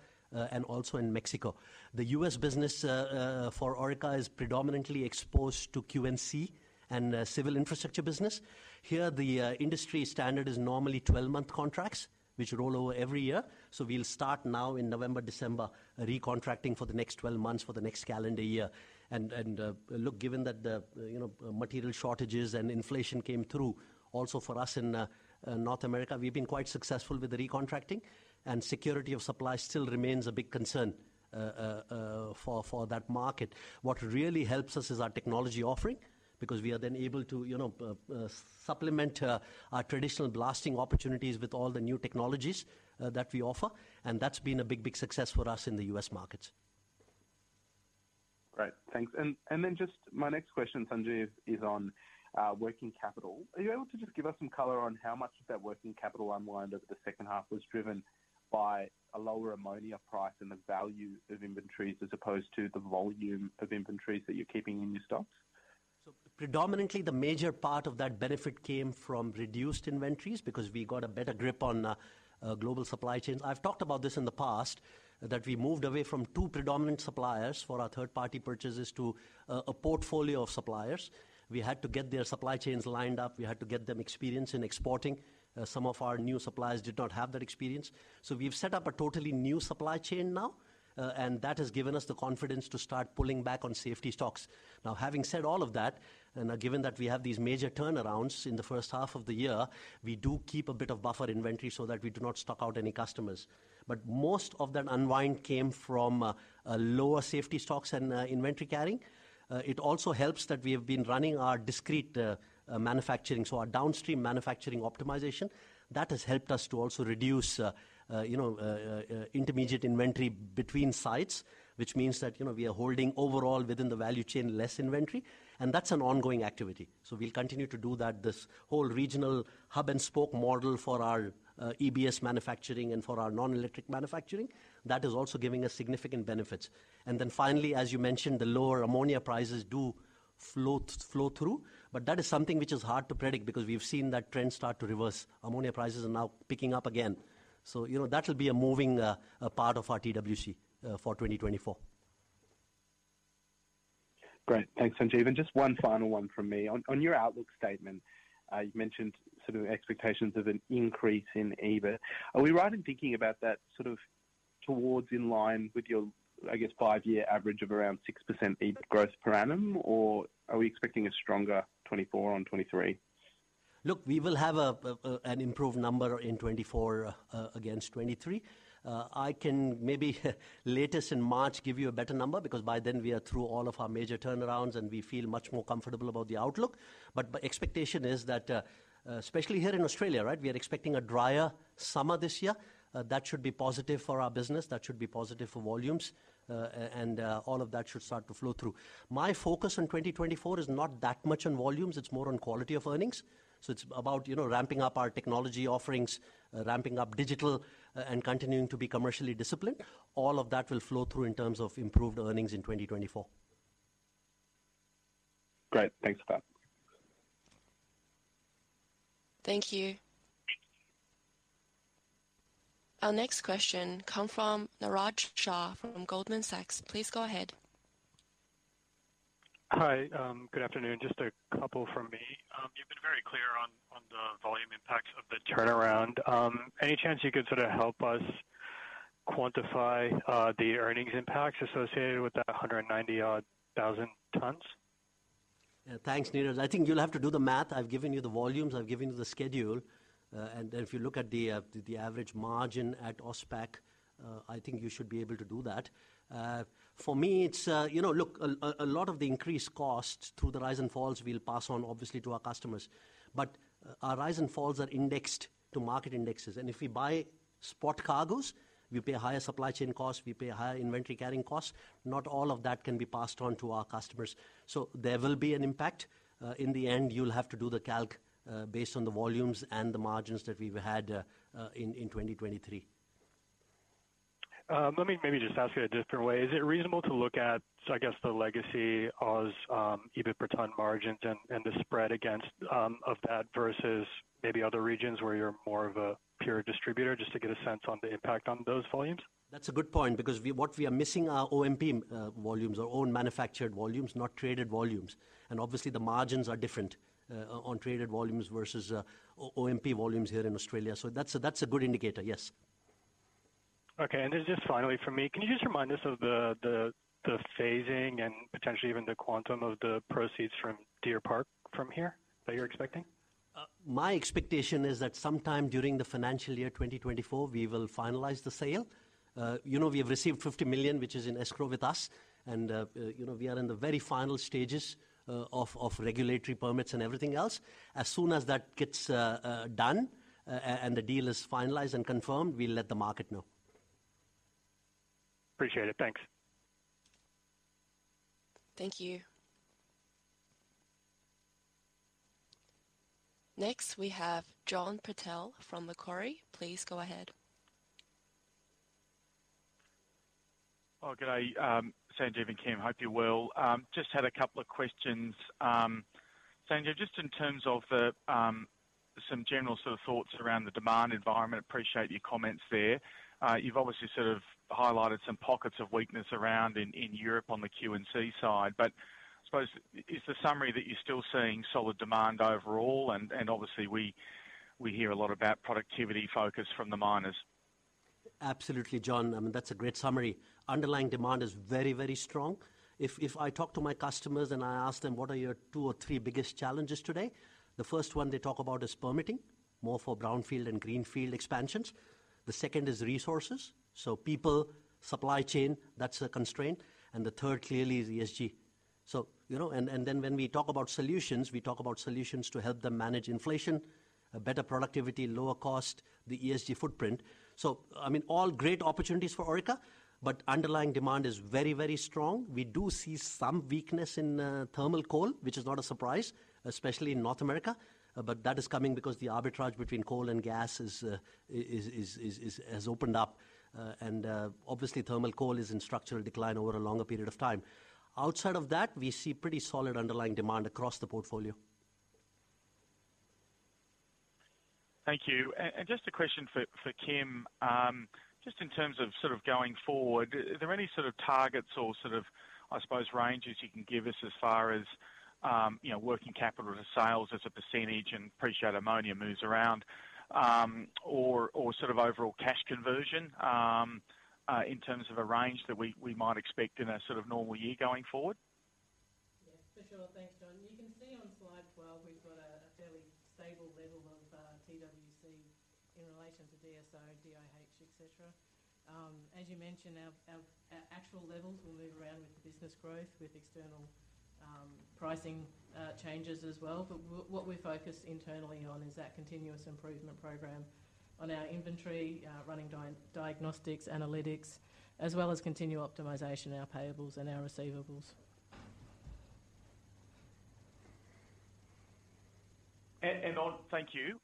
and also in Mexico. The U.S. business, for Orica is predominantly exposed to Q&C and civil infrastructure business. Here, the industry standard is normally 12-month contracts, which roll over every year. So we'll start now in November, December, recontracting for the next 12 months for the next calendar year. And, look, given that, you know, material shortages and inflation came through also for us in North America, we've been quite successful with the recontracting and security of supply still remains a big concern, for that market. What really helps us is our technology offering, because we are then able to, you know, supplement our traditional blasting opportunities with all the new technologies that we offer, and that's been a big, big success for us in the U.S. markets. Great. Thanks. And then just my next question, Sanjeev, is on working capital. Are you able to just give us some color on how much of that working capital unwind over the second half was driven by a lower ammonia price and the value of inventories, as opposed to the volume of inventories that you're keeping in your stocks? Predominantly, the major part of that benefit came from reduced inventories because we got a better grip on global supply chains. I've talked about this in the past, that we moved away from two predominant suppliers for our third-party purchases to a portfolio of suppliers. We had to get their supply chains lined up. We had to get them experience in exporting. Some of our new suppliers did not have that experience. So we've set up a totally new supply chain now, and that has given us the confidence to start pulling back on safety stocks. Now, having said all of that, and given that we have these major turnarounds in the first half of the year, we do keep a bit of buffer inventory so that we do not stock out any customers. But most of that unwind came from a lower safety stocks and inventory carrying. It also helps that we have been running our discrete manufacturing, so our downstream manufacturing optimization. That has helped us to also reduce, you know, intermediate inventory between sites, which means that, you know, we are holding overall within the value chain, less inventory, and that's an ongoing activity. So we'll continue to do that, this whole regional hub-and-spoke model for our EBS manufacturing and for our non-electric manufacturing. That is also giving us significant benefits. And then finally, as you mentioned, the lower ammonia prices do flow, flow through, but that is something which is hard to predict because we've seen that trend start to reverse. Ammonia prices are now picking up again. You know, that will be a moving part of our TWC for 2024. Great. Thanks, Sanjeev. And just one final one from me. On, on your outlook statement, you mentioned sort of expectations of an increase in EBIT. Are we right in thinking about that sort of towards in line with your, I guess, five-year average of around 6% EBIT growth per annum, or are we expecting a stronger 2024 on 2023? Look, we will have an improved number in 2024 against 2023. I can maybe, latest in March, give you a better number, because by then we are through all of our major turnarounds, and we feel much more comfortable about the outlook. But the expectation is that, especially here in Australia, right? We are expecting a drier summer this year. That should be positive for our business, that should be positive for volumes, and all of that should start to flow through. My focus in 2024 is not that much on volumes, it's more on quality of earnings. So it's about, you know, ramping up our technology offerings, ramping up digital, and continuing to be commercially disciplined. All of that will flow through in terms of improved earnings in 2024. Great. Thanks for that. Thank you. Our next question come from Niraj Shah from Goldman Sachs. Please go ahead. Hi, good afternoon. Just a couple from me. You've been very clear on the volume impacts of the turnaround. Any chance you could sort of help us quantify the earnings impacts associated with that 190-odd thousand tons? Yeah. Thanks, Niraj. I think you'll have to do the math. I've given you the volumes, I've given you the schedule, and if you look at the average margin at AusPAC, I think you should be able to do that. For me, it's... You know, look, a lot of the increased costs through the rise and falls will pass on, obviously, to our customers. But our rise and falls are indexed to market indexes, and if we buy spot cargoes, we pay a higher supply chain cost, we pay a higher inventory carrying cost. Not all of that can be passed on to our customers. So there will be an impact. In the end, you'll have to do the calc based on the volumes and the margins that we've had in 2023.... let me maybe just ask you a different way. Is it reasonable to look at, so I guess the legacy Aus, EBIT per ton margins and, and the spread against, of that versus maybe other regions where you're more of a pure distributor, just to get a sense on the impact on those volumes? That's a good point, because what we are missing are OMP volumes, our own manufactured volumes, not traded volumes. And obviously the margins are different on traded volumes versus OMP volumes here in Australia. So that's a good indicator, yes. Okay. And then just finally from me, can you just remind us of the phasing and potentially even the quantum of the proceeds from Deer Park from here that you're expecting? My expectation is that sometime during the financial year 2024, we will finalize the sale. You know, we have received 50 million, which is in escrow with us, and, you know, we are in the very final stages of regulatory permits and everything else. As soon as that gets done, and the deal is finalized and confirmed, we'll let the market know. Appreciate it. Thanks. Thank you. Next, we have John Purtell from Macquarie. Please go ahead. Oh, good day, Sanjeev and Kim, hope you're well. Just had a couple of questions. Sanjeev, just in terms of the, some general sort of thoughts around the demand environment, appreciate your comments there. You've obviously sort of highlighted some pockets of weakness around in, in Europe on the Q&C side, but I suppose, is the summary that you're still seeing solid demand overall, and, and obviously we, we hear a lot about productivity focus from the miners. Absolutely, John. I mean, that's a great summary. Underlying demand is very, very strong. If I talk to my customers and I ask them: What are your two or three biggest challenges today? The first one they talk about is permitting, more for brownfield and greenfield expansions. The second is resources, so people, supply chain, that's a constraint. And the third, clearly, is ESG. So, you know, and then when we talk about solutions, we talk about solutions to help them manage inflation, a better productivity, lower cost, the ESG footprint. So, I mean, all great opportunities for Orica, but underlying demand is very, very strong. We do see some weakness in thermal coal, which is not a surprise, especially in North America, but that is coming because the arbitrage between coal and gas has opened up. Obviously, thermal coal is in structural decline over a longer period of time. Outside of that, we see pretty solid underlying demand across the portfolio. Thank you. Just a question for Kim. Just in terms of sort of going forward, are there any sort of targets or sort of, I suppose, ranges you can give us as far as, you know, working capital to sales as a percentage, and appreciate ammonia moves around, or sort of overall cash conversion, in terms of a range that we might expect in a sort of normal year going forward? Yeah, for sure. Thanks, John. You can see on slide 12, we've got a fairly stable level of TWC in relation to DSO, DIH, et cetera. As you mentioned, our actual levels will move around with the business growth, with external pricing changes as well. But what we're focused internally on is that continuous improvement program on our inventory, running diagnostics, analytics, as well as continual optimization in our payables and our receivables. Thank you.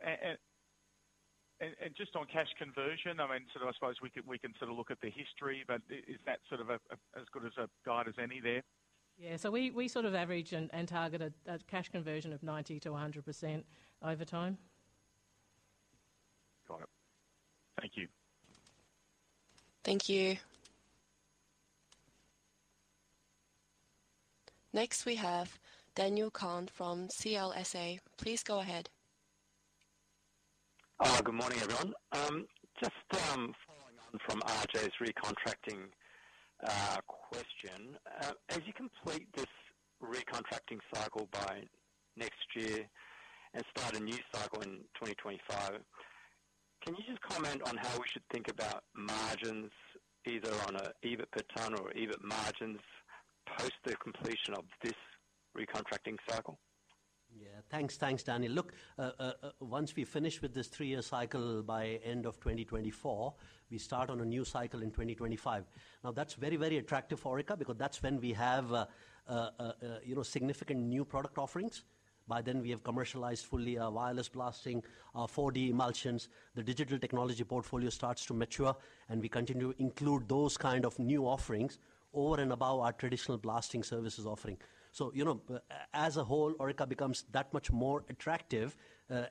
And just on cash conversion, I mean, sort of I suppose we can sort of look at the history, but is that sort of a as good a guide as any there? Yeah, so we sort of average and target a cash conversion of 90%-100% over time. Got it. Thank you. Thank you. Next, we have Daniel Kang from CLSA. Please go ahead. Good morning, everyone. Just following on from RJ's recontracting question. As you complete this recontracting cycle by next year and start a new cycle in 2025, can you just comment on how we should think about margins either on a EBIT per ton or EBIT margins, post the completion of this recontracting cycle? Yeah. Thanks. Thanks, Daniel. Look, once we finish with this three-year cycle by end of 2024, we start on a new cycle in 2025. Now, that's very, very attractive for Orica because that's when we have, you know, significant new product offerings. By then we have commercialized fully our wireless blasting, our 4D emulsions, the digital technology portfolio starts to mature, and we continue to include those kind of new offerings over and above our traditional blasting services offering. So, you know, as a whole, Orica becomes that much more attractive,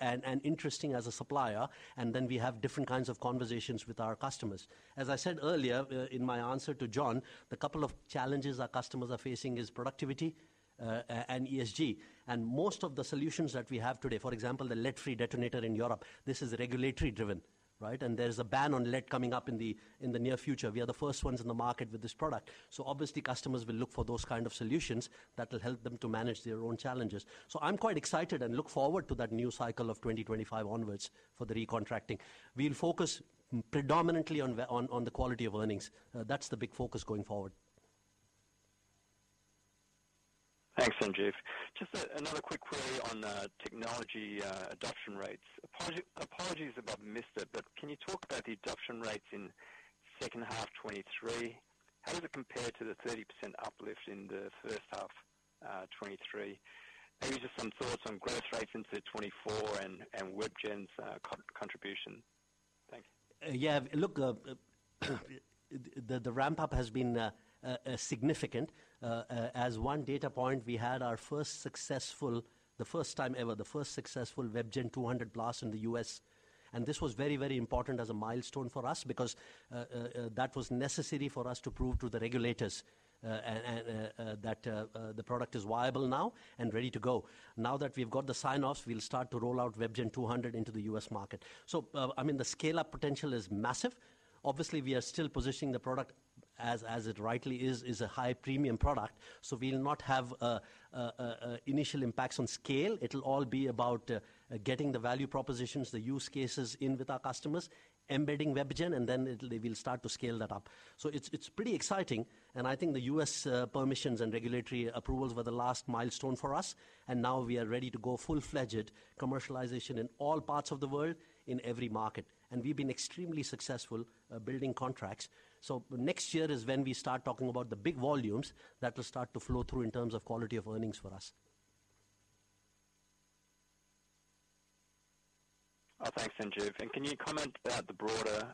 and interesting as a supplier, and then we have different kinds of conversations with our customers. As I said earlier, in my answer to John, the couple of challenges our customers are facing is productivity, and ESG. Most of the solutions that we have today, for example, the lead-free detonator in Europe, this is regulatory driven, right? And there's a ban on lead coming up in the near future. We are the first ones in the market with this product. So obviously, customers will look for those kind of solutions that will help them to manage their own challenges. So I'm quite excited and look forward to that new cycle of 2025 onwards for the recontracting. We'll focus predominantly on the quality of earnings. That's the big focus going forward. Thanks, Sanjeev. Just another quick query on technology adoption rates. Apologies if I've missed it, but can you talk about the adoption rates in second half 2023? How does it compare to the 30% uplift in the first half 2023? Maybe just some thoughts on growth rates into 2024 and WebGen's contribution. Thanks. Yeah, look, the ramp up has been significant. As one data point, we had our first successful—the first time ever, the first successful WebGen 200 blast in the U.S. And this was very, very important as a milestone for us because that was necessary for us to prove to the regulators and that the product is viable now and ready to go. Now that we've got the sign-offs, we'll start to roll out WebGen 200 into the U.S. market. So, I mean, the scale-up potential is massive. Obviously, we are still positioning the product as it rightly is a high premium product, so we'll not have initial impacts on scale. It'll all be about getting the value propositions, the use cases in with our customers, embedding WebGen, and then it'll—we'll start to scale that up. It's pretty exciting, and I think the U.S. permissions and regulatory approvals were the last milestone for us, and now we are ready to go full-fledged commercialization in all parts of the world, in every market. We've been extremely successful at building contracts. Next year is when we start talking about the big volumes that will start to flow through in terms of quality of earnings for us. Oh, thanks, Sanjeev. Can you comment about the broader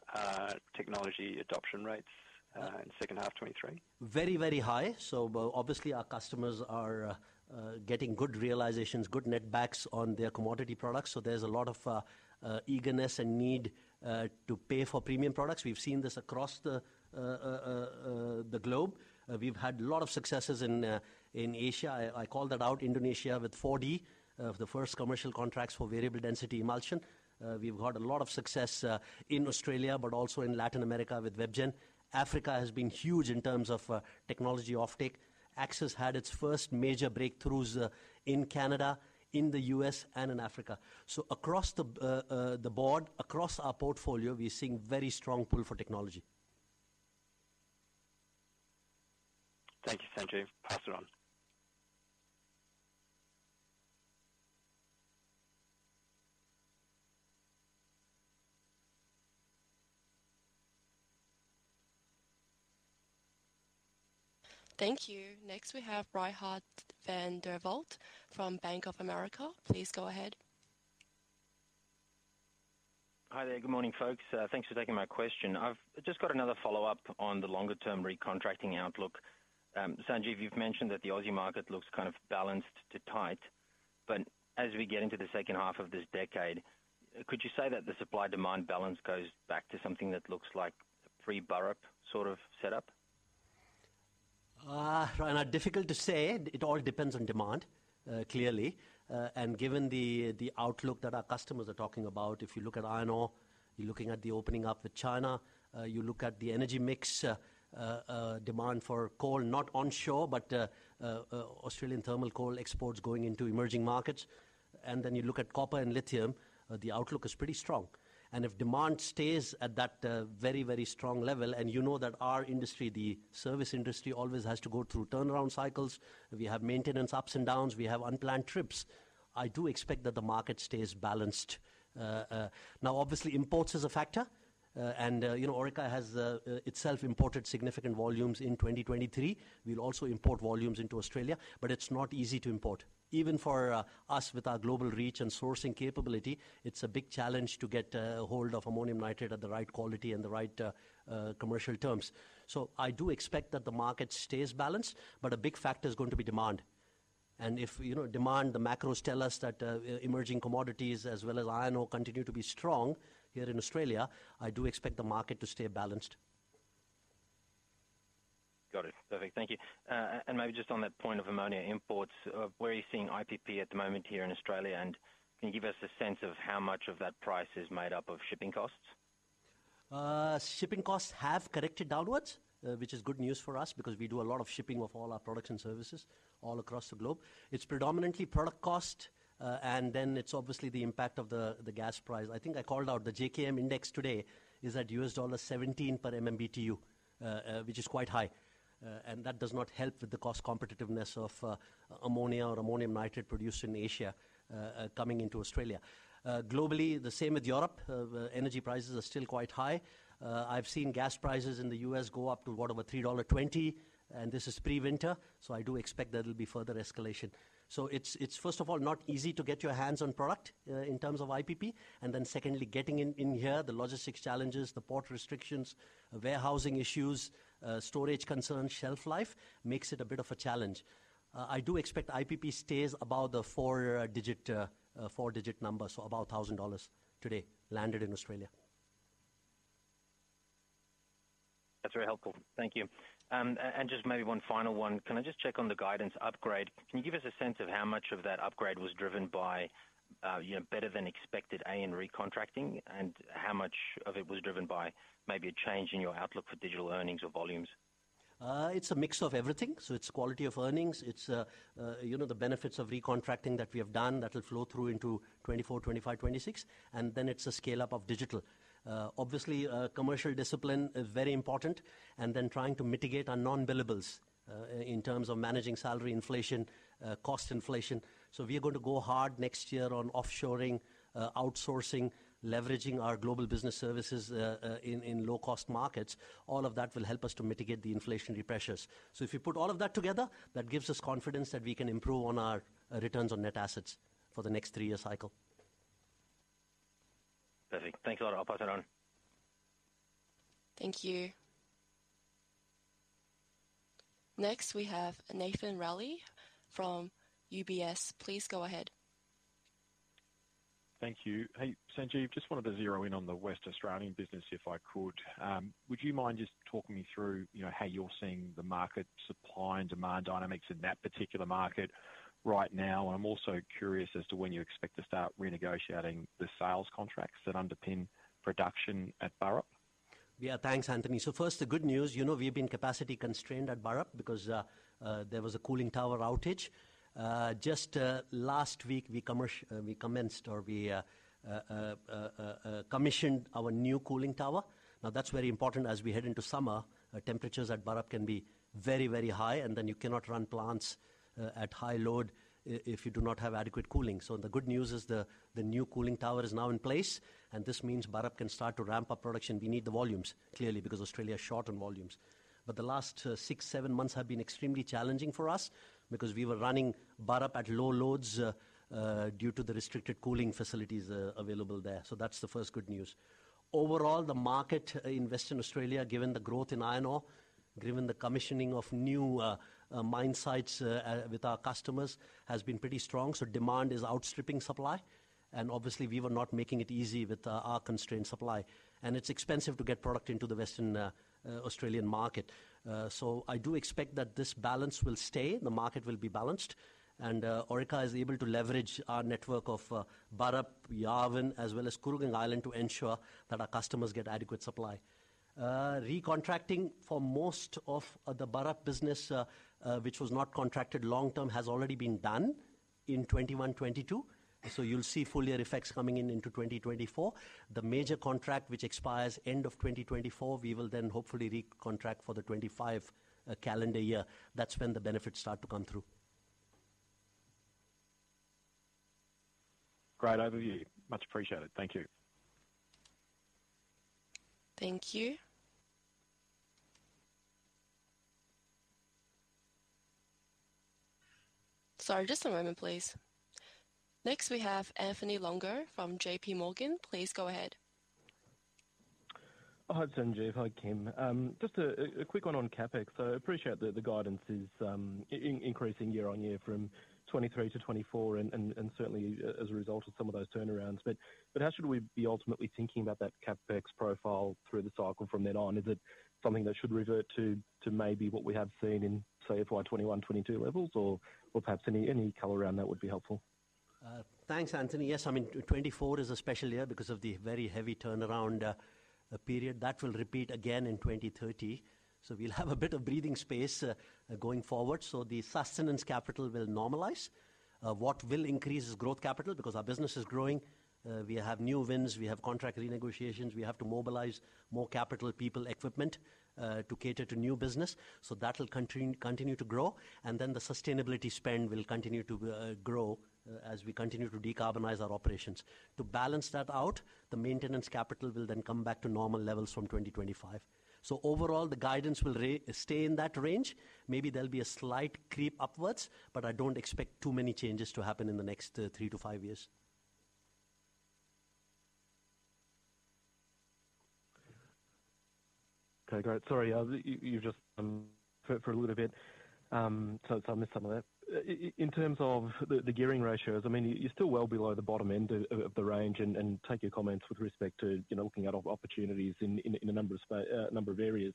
technology adoption rates in second half 2023? Very, very high. So but obviously, our customers are getting good realizations, good netbacks on their commodity products. So there's a lot of eagerness and need to pay for premium products. We've seen this across the globe. We've had a lot of successes in Asia. I called that out, Indonesia, with 4D, the first commercial contracts for variable density emulsion. We've had a lot of success in Australia, but also in Latin America with WebGen. Africa has been huge in terms of technology offtake. Axis had its first major breakthroughs in Canada, in the U.S., and in Africa. So across the board, across our portfolio, we're seeing very strong pull for technology. Thank you, Sanjeev. Pass it on. Thank you. Next, we have Reinhard van der Walt from Bank of America. Please go ahead. Hi there. Good morning, folks. Thanks for taking my question. I've just got another follow-up on the longer-term recontracting outlook. Sanjeev, you've mentioned that the Aussie market looks kind of balanced to tight, but as we get into the second half of this decade, could you say that the supply-demand balance goes back to something that looks like a pre-Burrup sort of setup? Right, difficult to say. It all depends on demand, clearly. And given the outlook that our customers are talking about, if you look at iron ore, you're looking at the opening up with China. You look at the energy mix, demand for coal, not onshore, but Australian thermal coal exports going into emerging markets. And then you look at copper and lithium, the outlook is pretty strong. And if demand stays at that very, very strong level, and you know that our industry, the service industry, always has to go through turnaround cycles. We have maintenance ups and downs, we have unplanned trips. I do expect that the market stays balanced. Now, obviously, imports is a factor, and you know, Orica has itself imported significant volumes in 2023. We'll also import volumes into Australia, but it's not easy to import. Even for us, with our global reach and sourcing capability, it's a big challenge to get a hold of ammonium nitrate at the right quality and the right commercial terms. So I do expect that the market stays balanced, but a big factor is going to be demand. And if, you know, demand, the macros tell us that emerging commodities as well as iron ore continue to be strong here in Australia, I do expect the market to stay balanced. Got it. Perfect. Thank you. And maybe just on that point of ammonia imports, where are you seeing IPP at the moment here in Australia? And can you give us a sense of how much of that price is made up of shipping costs? Shipping costs have corrected downwards, which is good news for us because we do a lot of shipping of all our products and services all across the globe. It's predominantly product cost, and then it's obviously the impact of the gas price. I think I called out the JKM index today is at $17 per MMBTU, which is quite high, and that does not help with the cost competitiveness of ammonia or ammonium nitrate produced in Asia coming into Australia. Globally, the same with Europe. The energy prices are still quite high. I've seen gas prices in the U.S. go up to what, over $3.20, and this is pre-winter, so I do expect there will be further escalation. So it's first of all not easy to get your hands on product in terms of IPP. And then secondly, getting in here, the logistics challenges, the port restrictions, warehousing issues, storage concerns, shelf life makes it a bit of a challenge. I do expect IPP stays above the four-digit number, so about $1,000 today, landed in Australia. That's very helpful. Thank you. And just maybe one final one. Can I just check on the guidance upgrade? Can you give us a sense of how much of that upgrade was driven by, you know, better than expected AN recontracting, and how much of it was driven by maybe a change in your outlook for digital earnings or volumes? It's a mix of everything, so it's quality of earnings. It's, you know, the benefits of recontracting that we have done that will flow through into 2024, 2025, 2026, and then it's a scale-up of digital. Obviously, commercial discipline is very important and then trying to mitigate our non-billables, in terms of managing salary inflation, cost inflation. So we are going to go hard next year on offshoring, outsourcing, leveraging our global business services, in low-cost markets. All of that will help us to mitigate the inflationary pressures. So if you put all of that together, that gives us confidence that we can improve on our, returns on net assets for the next 3-year cycle. ... Perfect. Thanks a lot. I'll pass it on. Thank you. Next, we have Nathan Reilly from UBS. Please go ahead. Thank you. Hey, Sanjeev, just wanted to zero in on the Western Australian business, if I could. Would you mind just talking me through, you know, how you're seeing the market supply and demand dynamics in that particular market right now? And I'm also curious as to when you expect to start renegotiating the sales contracts that underpin production at Burrup. Yeah, thanks, Anthony. So first, the good news. You know, we've been capacity constrained at Burrup because there was a cooling tower outage. Just last week, we commenced or we commissioned our new cooling tower. Now, that's very important as we head into summer. Temperatures at Burrup can be very, very high, and then you cannot run plants at high load if you do not have adequate cooling. So the good news is the new cooling tower is now in place, and this means Burrup can start to ramp up production. We need the volumes clearly, because Australia is short on volumes. But the last six, seven months have been extremely challenging for us because we were running Burrup at low loads due to the restricted cooling facilities available there. So that's the first good news. Overall, the market in Western Australia, given the growth in iron ore, given the commissioning of new mine sites with our customers, has been pretty strong, so demand is outstripping supply, and obviously we were not making it easy with our constrained supply. It's expensive to get product into the Western Australian market. So I do expect that this balance will stay, the market will be balanced, and Orica is able to leverage our network of Burrup, Yarwun, as well as Kooragang Island, to ensure that our customers get adequate supply. Recontracting for most of the Burrup business, which was not contracted long term, has already been done in 2021, 2022, so you'll see full year effects coming in into 2024. The major contract, which expires end of 2024, we will then hopefully recontract for the 2025 calendar year. That's when the benefits start to come through. Great overview. Much appreciated. Thank you. Thank you. Sorry, just a moment, please. Next, we have Anthony Longo from JPMorgan. Please go ahead. Hi, Sanjeev. Hi, Kim. Just a quick one on CapEx. So I appreciate that the guidance is increasing year on year from 2023 to 2024, and certainly as a result of some of those turnarounds. But how should we be ultimately thinking about that CapEx profile through the cycle from then on? Is it something that should revert to maybe what we have seen in, say, FY 2021, 2022 levels, or perhaps any color around that would be helpful. Thanks, Anthony. Yes, I mean, 2024 is a special year because of the very heavy turnaround period. That will repeat again in 2030. So we'll have a bit of breathing space going forward. So the sustenance capital will normalize. What will increase is growth capital, because our business is growing. We have new wins, we have contract renegotiations. We have to mobilize more capital, people, equipment to cater to new business. So that will continue to grow, and then the sustainability spend will continue to grow as we continue to decarbonize our operations. To balance that out, the maintenance capital will then come back to normal levels from 2025. So overall, the guidance will stay in that range. Maybe there'll be a slight creep upwards, but I don't expect too many changes to happen in the next, three to five years. Okay, great. Sorry, you've just for a little bit, so I missed some of that. In terms of the gearing ratios, I mean, you're still well below the bottom end of the range, and take your comments with respect to, you know, looking at opportunities in a number of areas.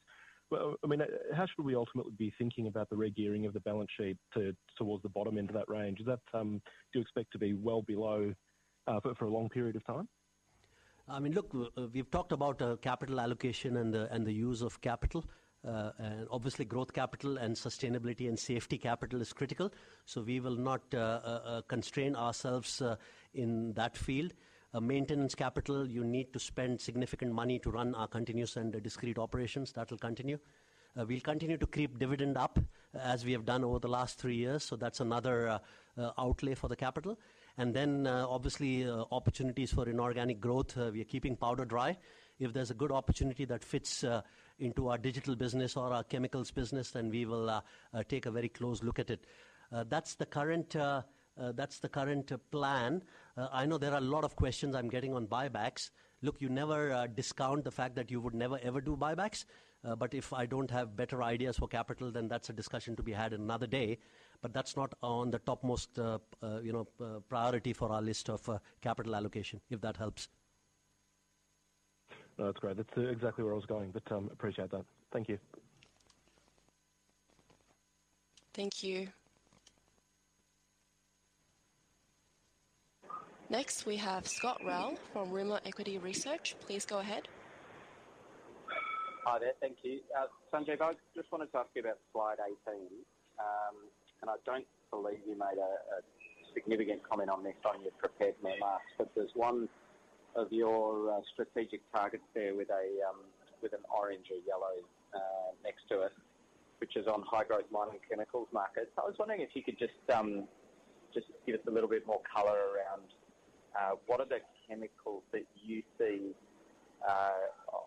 Well, I mean, how should we ultimately be thinking about the regearing of the balance sheet towards the bottom end of that range? Is that... Do you expect to be well below for a long period of time? I mean, look, we've talked about capital allocation and the, and the use of capital. Obviously, growth capital and sustainability and safety capital is critical, so we will not constrain ourselves in that field. Maintenance capital, you need to spend significant money to run our continuous and discrete operations. That will continue. We'll continue to keep dividend up, as we have done over the last three years, so that's another outlay for the capital. Then, obviously, opportunities for inorganic growth. We are keeping powder dry. If there's a good opportunity that fits into our digital business or our chemicals business, then we will take a very close look at it. That's the current, that's the current plan. I know there are a lot of questions I'm getting on buybacks. Look, you never discount the fact that you would never, ever do buybacks, but if I don't have better ideas for capital, then that's a discussion to be had another day. But that's not on the topmost, you know, priority for our list of capital allocation, if that helps. No, that's great. That's exactly where I was going, but, appreciate that. Thank you. Thank you. Next, we have Scott Ryall from Rimor Equity Research. Please go ahead. Hi there. Thank you. Sanjeev, I just wanted to ask you about slide 18. And I don't believe you made a significant comment on this on your prepared remarks, but there's one of your strategic targets there with an orange or yellow next to it, which is on high-growth mining chemicals markets. I was wondering if you could just give us a little bit more color around what are the chemicals that you see-...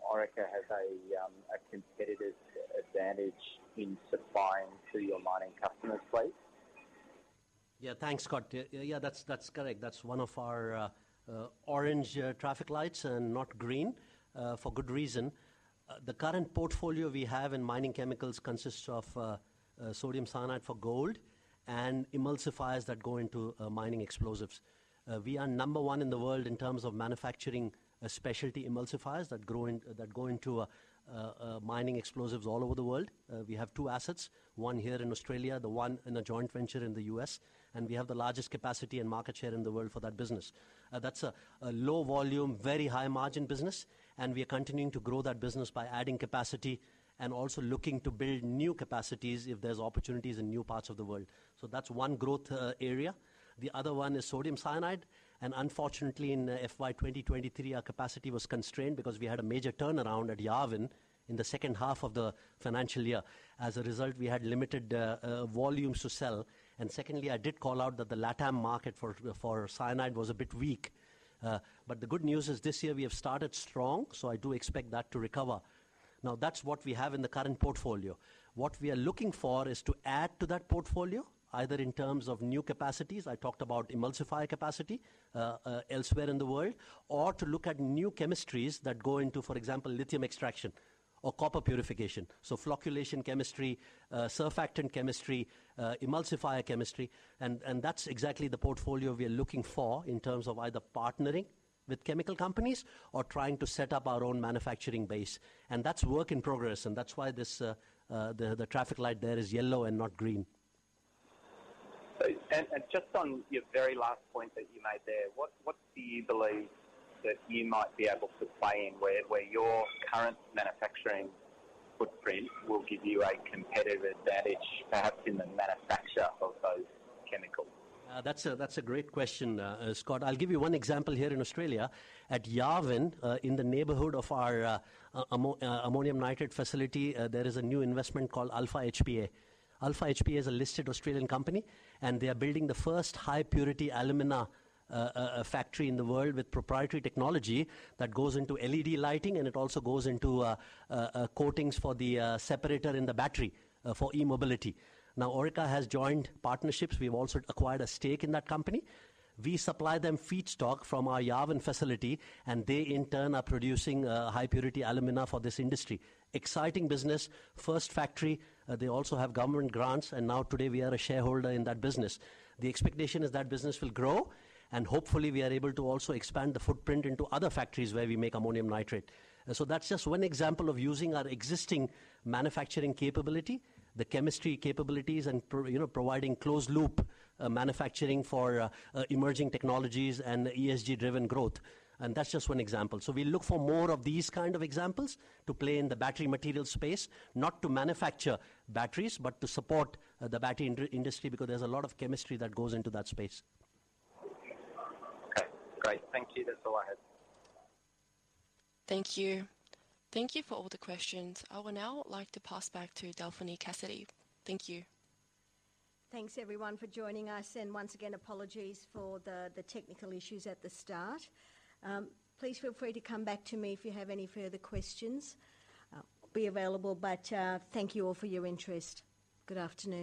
Orica has a competitive advantage in supplying to your mining customers, right? Yeah, thanks, Scott. Yeah, that's correct. That's one of our orange traffic lights and not green for good reason. The current portfolio we have in mining chemicals consists of sodium cyanide for gold and emulsifiers that go into mining explosives. We are number one in the world in terms of manufacturing specialty emulsifiers that go into mining explosives all over the world. We have two assets, one here in Australia, the one in a joint venture in the U.S., and we have the largest capacity and market share in the world for that business. That's a low volume, very high margin business, and we are continuing to grow that business by adding capacity and also looking to build new capacities if there's opportunities in new parts of the world. So that's one growth area. The other one is sodium cyanide, and unfortunately, in FY 2023, our capacity was constrained because we had a major turnaround at Yarwun in the second half of the financial year. As a result, we had limited volumes to sell. And secondly, I did call out that the LatAm market for cyanide was a bit weak. But the good news is, this year we have started strong, so I do expect that to recover. Now, that's what we have in the current portfolio. What we are looking for is to add to that portfolio, either in terms of new capacities, I talked about emulsifier capacity elsewhere in the world, or to look at new chemistries that go into, for example, lithium extraction or copper purification. So flocculation chemistry, surfactant chemistry, emulsifier chemistry, and that's exactly the portfolio we are looking for in terms of either partnering with chemical companies or trying to set up our own manufacturing base. That's work in progress, and that's why this, the traffic light there is yellow and not green. Just on your very last point that you made there, what do you believe that you might be able to play in, where your current manufacturing footprint will give you a competitive advantage, perhaps in the manufacture of those chemicals? That's a great question, Scott. I'll give you one example here in Australia. At Yarwun, in the neighborhood of our ammonium nitrate facility, there is a new investment called Alpha HPA. Alpha HPA is a listed Australian company, and they are building the first high-purity alumina factory in the world with proprietary technology that goes into LED lighting, and it also goes into coatings for the separator in the battery for e-mobility. Now, Orica has joined partnerships. We've also acquired a stake in that company. We supply them feedstock from our Yarwun facility, and they, in turn, are producing high-purity alumina for this industry. Exciting business, first factory. They also have government grants, and now today we are a shareholder in that business. The expectation is that business will grow, and hopefully, we are able to also expand the footprint into other factories where we make ammonium nitrate. And so that's just one example of using our existing manufacturing capability, the chemistry capabilities, and you know, providing closed loop manufacturing for emerging technologies and ESG-driven growth. And that's just one example. So we look for more of these kind of examples to play in the battery material space, not to manufacture batteries, but to support the battery industry, because there's a lot of chemistry that goes into that space. Okay, great. Thank you. That's all I had. Thank you. Thank you for all the questions. I would now like to pass back to Delphine Cassidy. Thank you. Thanks everyone for joining us, and once again, apologies for the technical issues at the start. Please feel free to come back to me if you have any further questions. I'll be available, but thank you all for your interest. Good afternoon.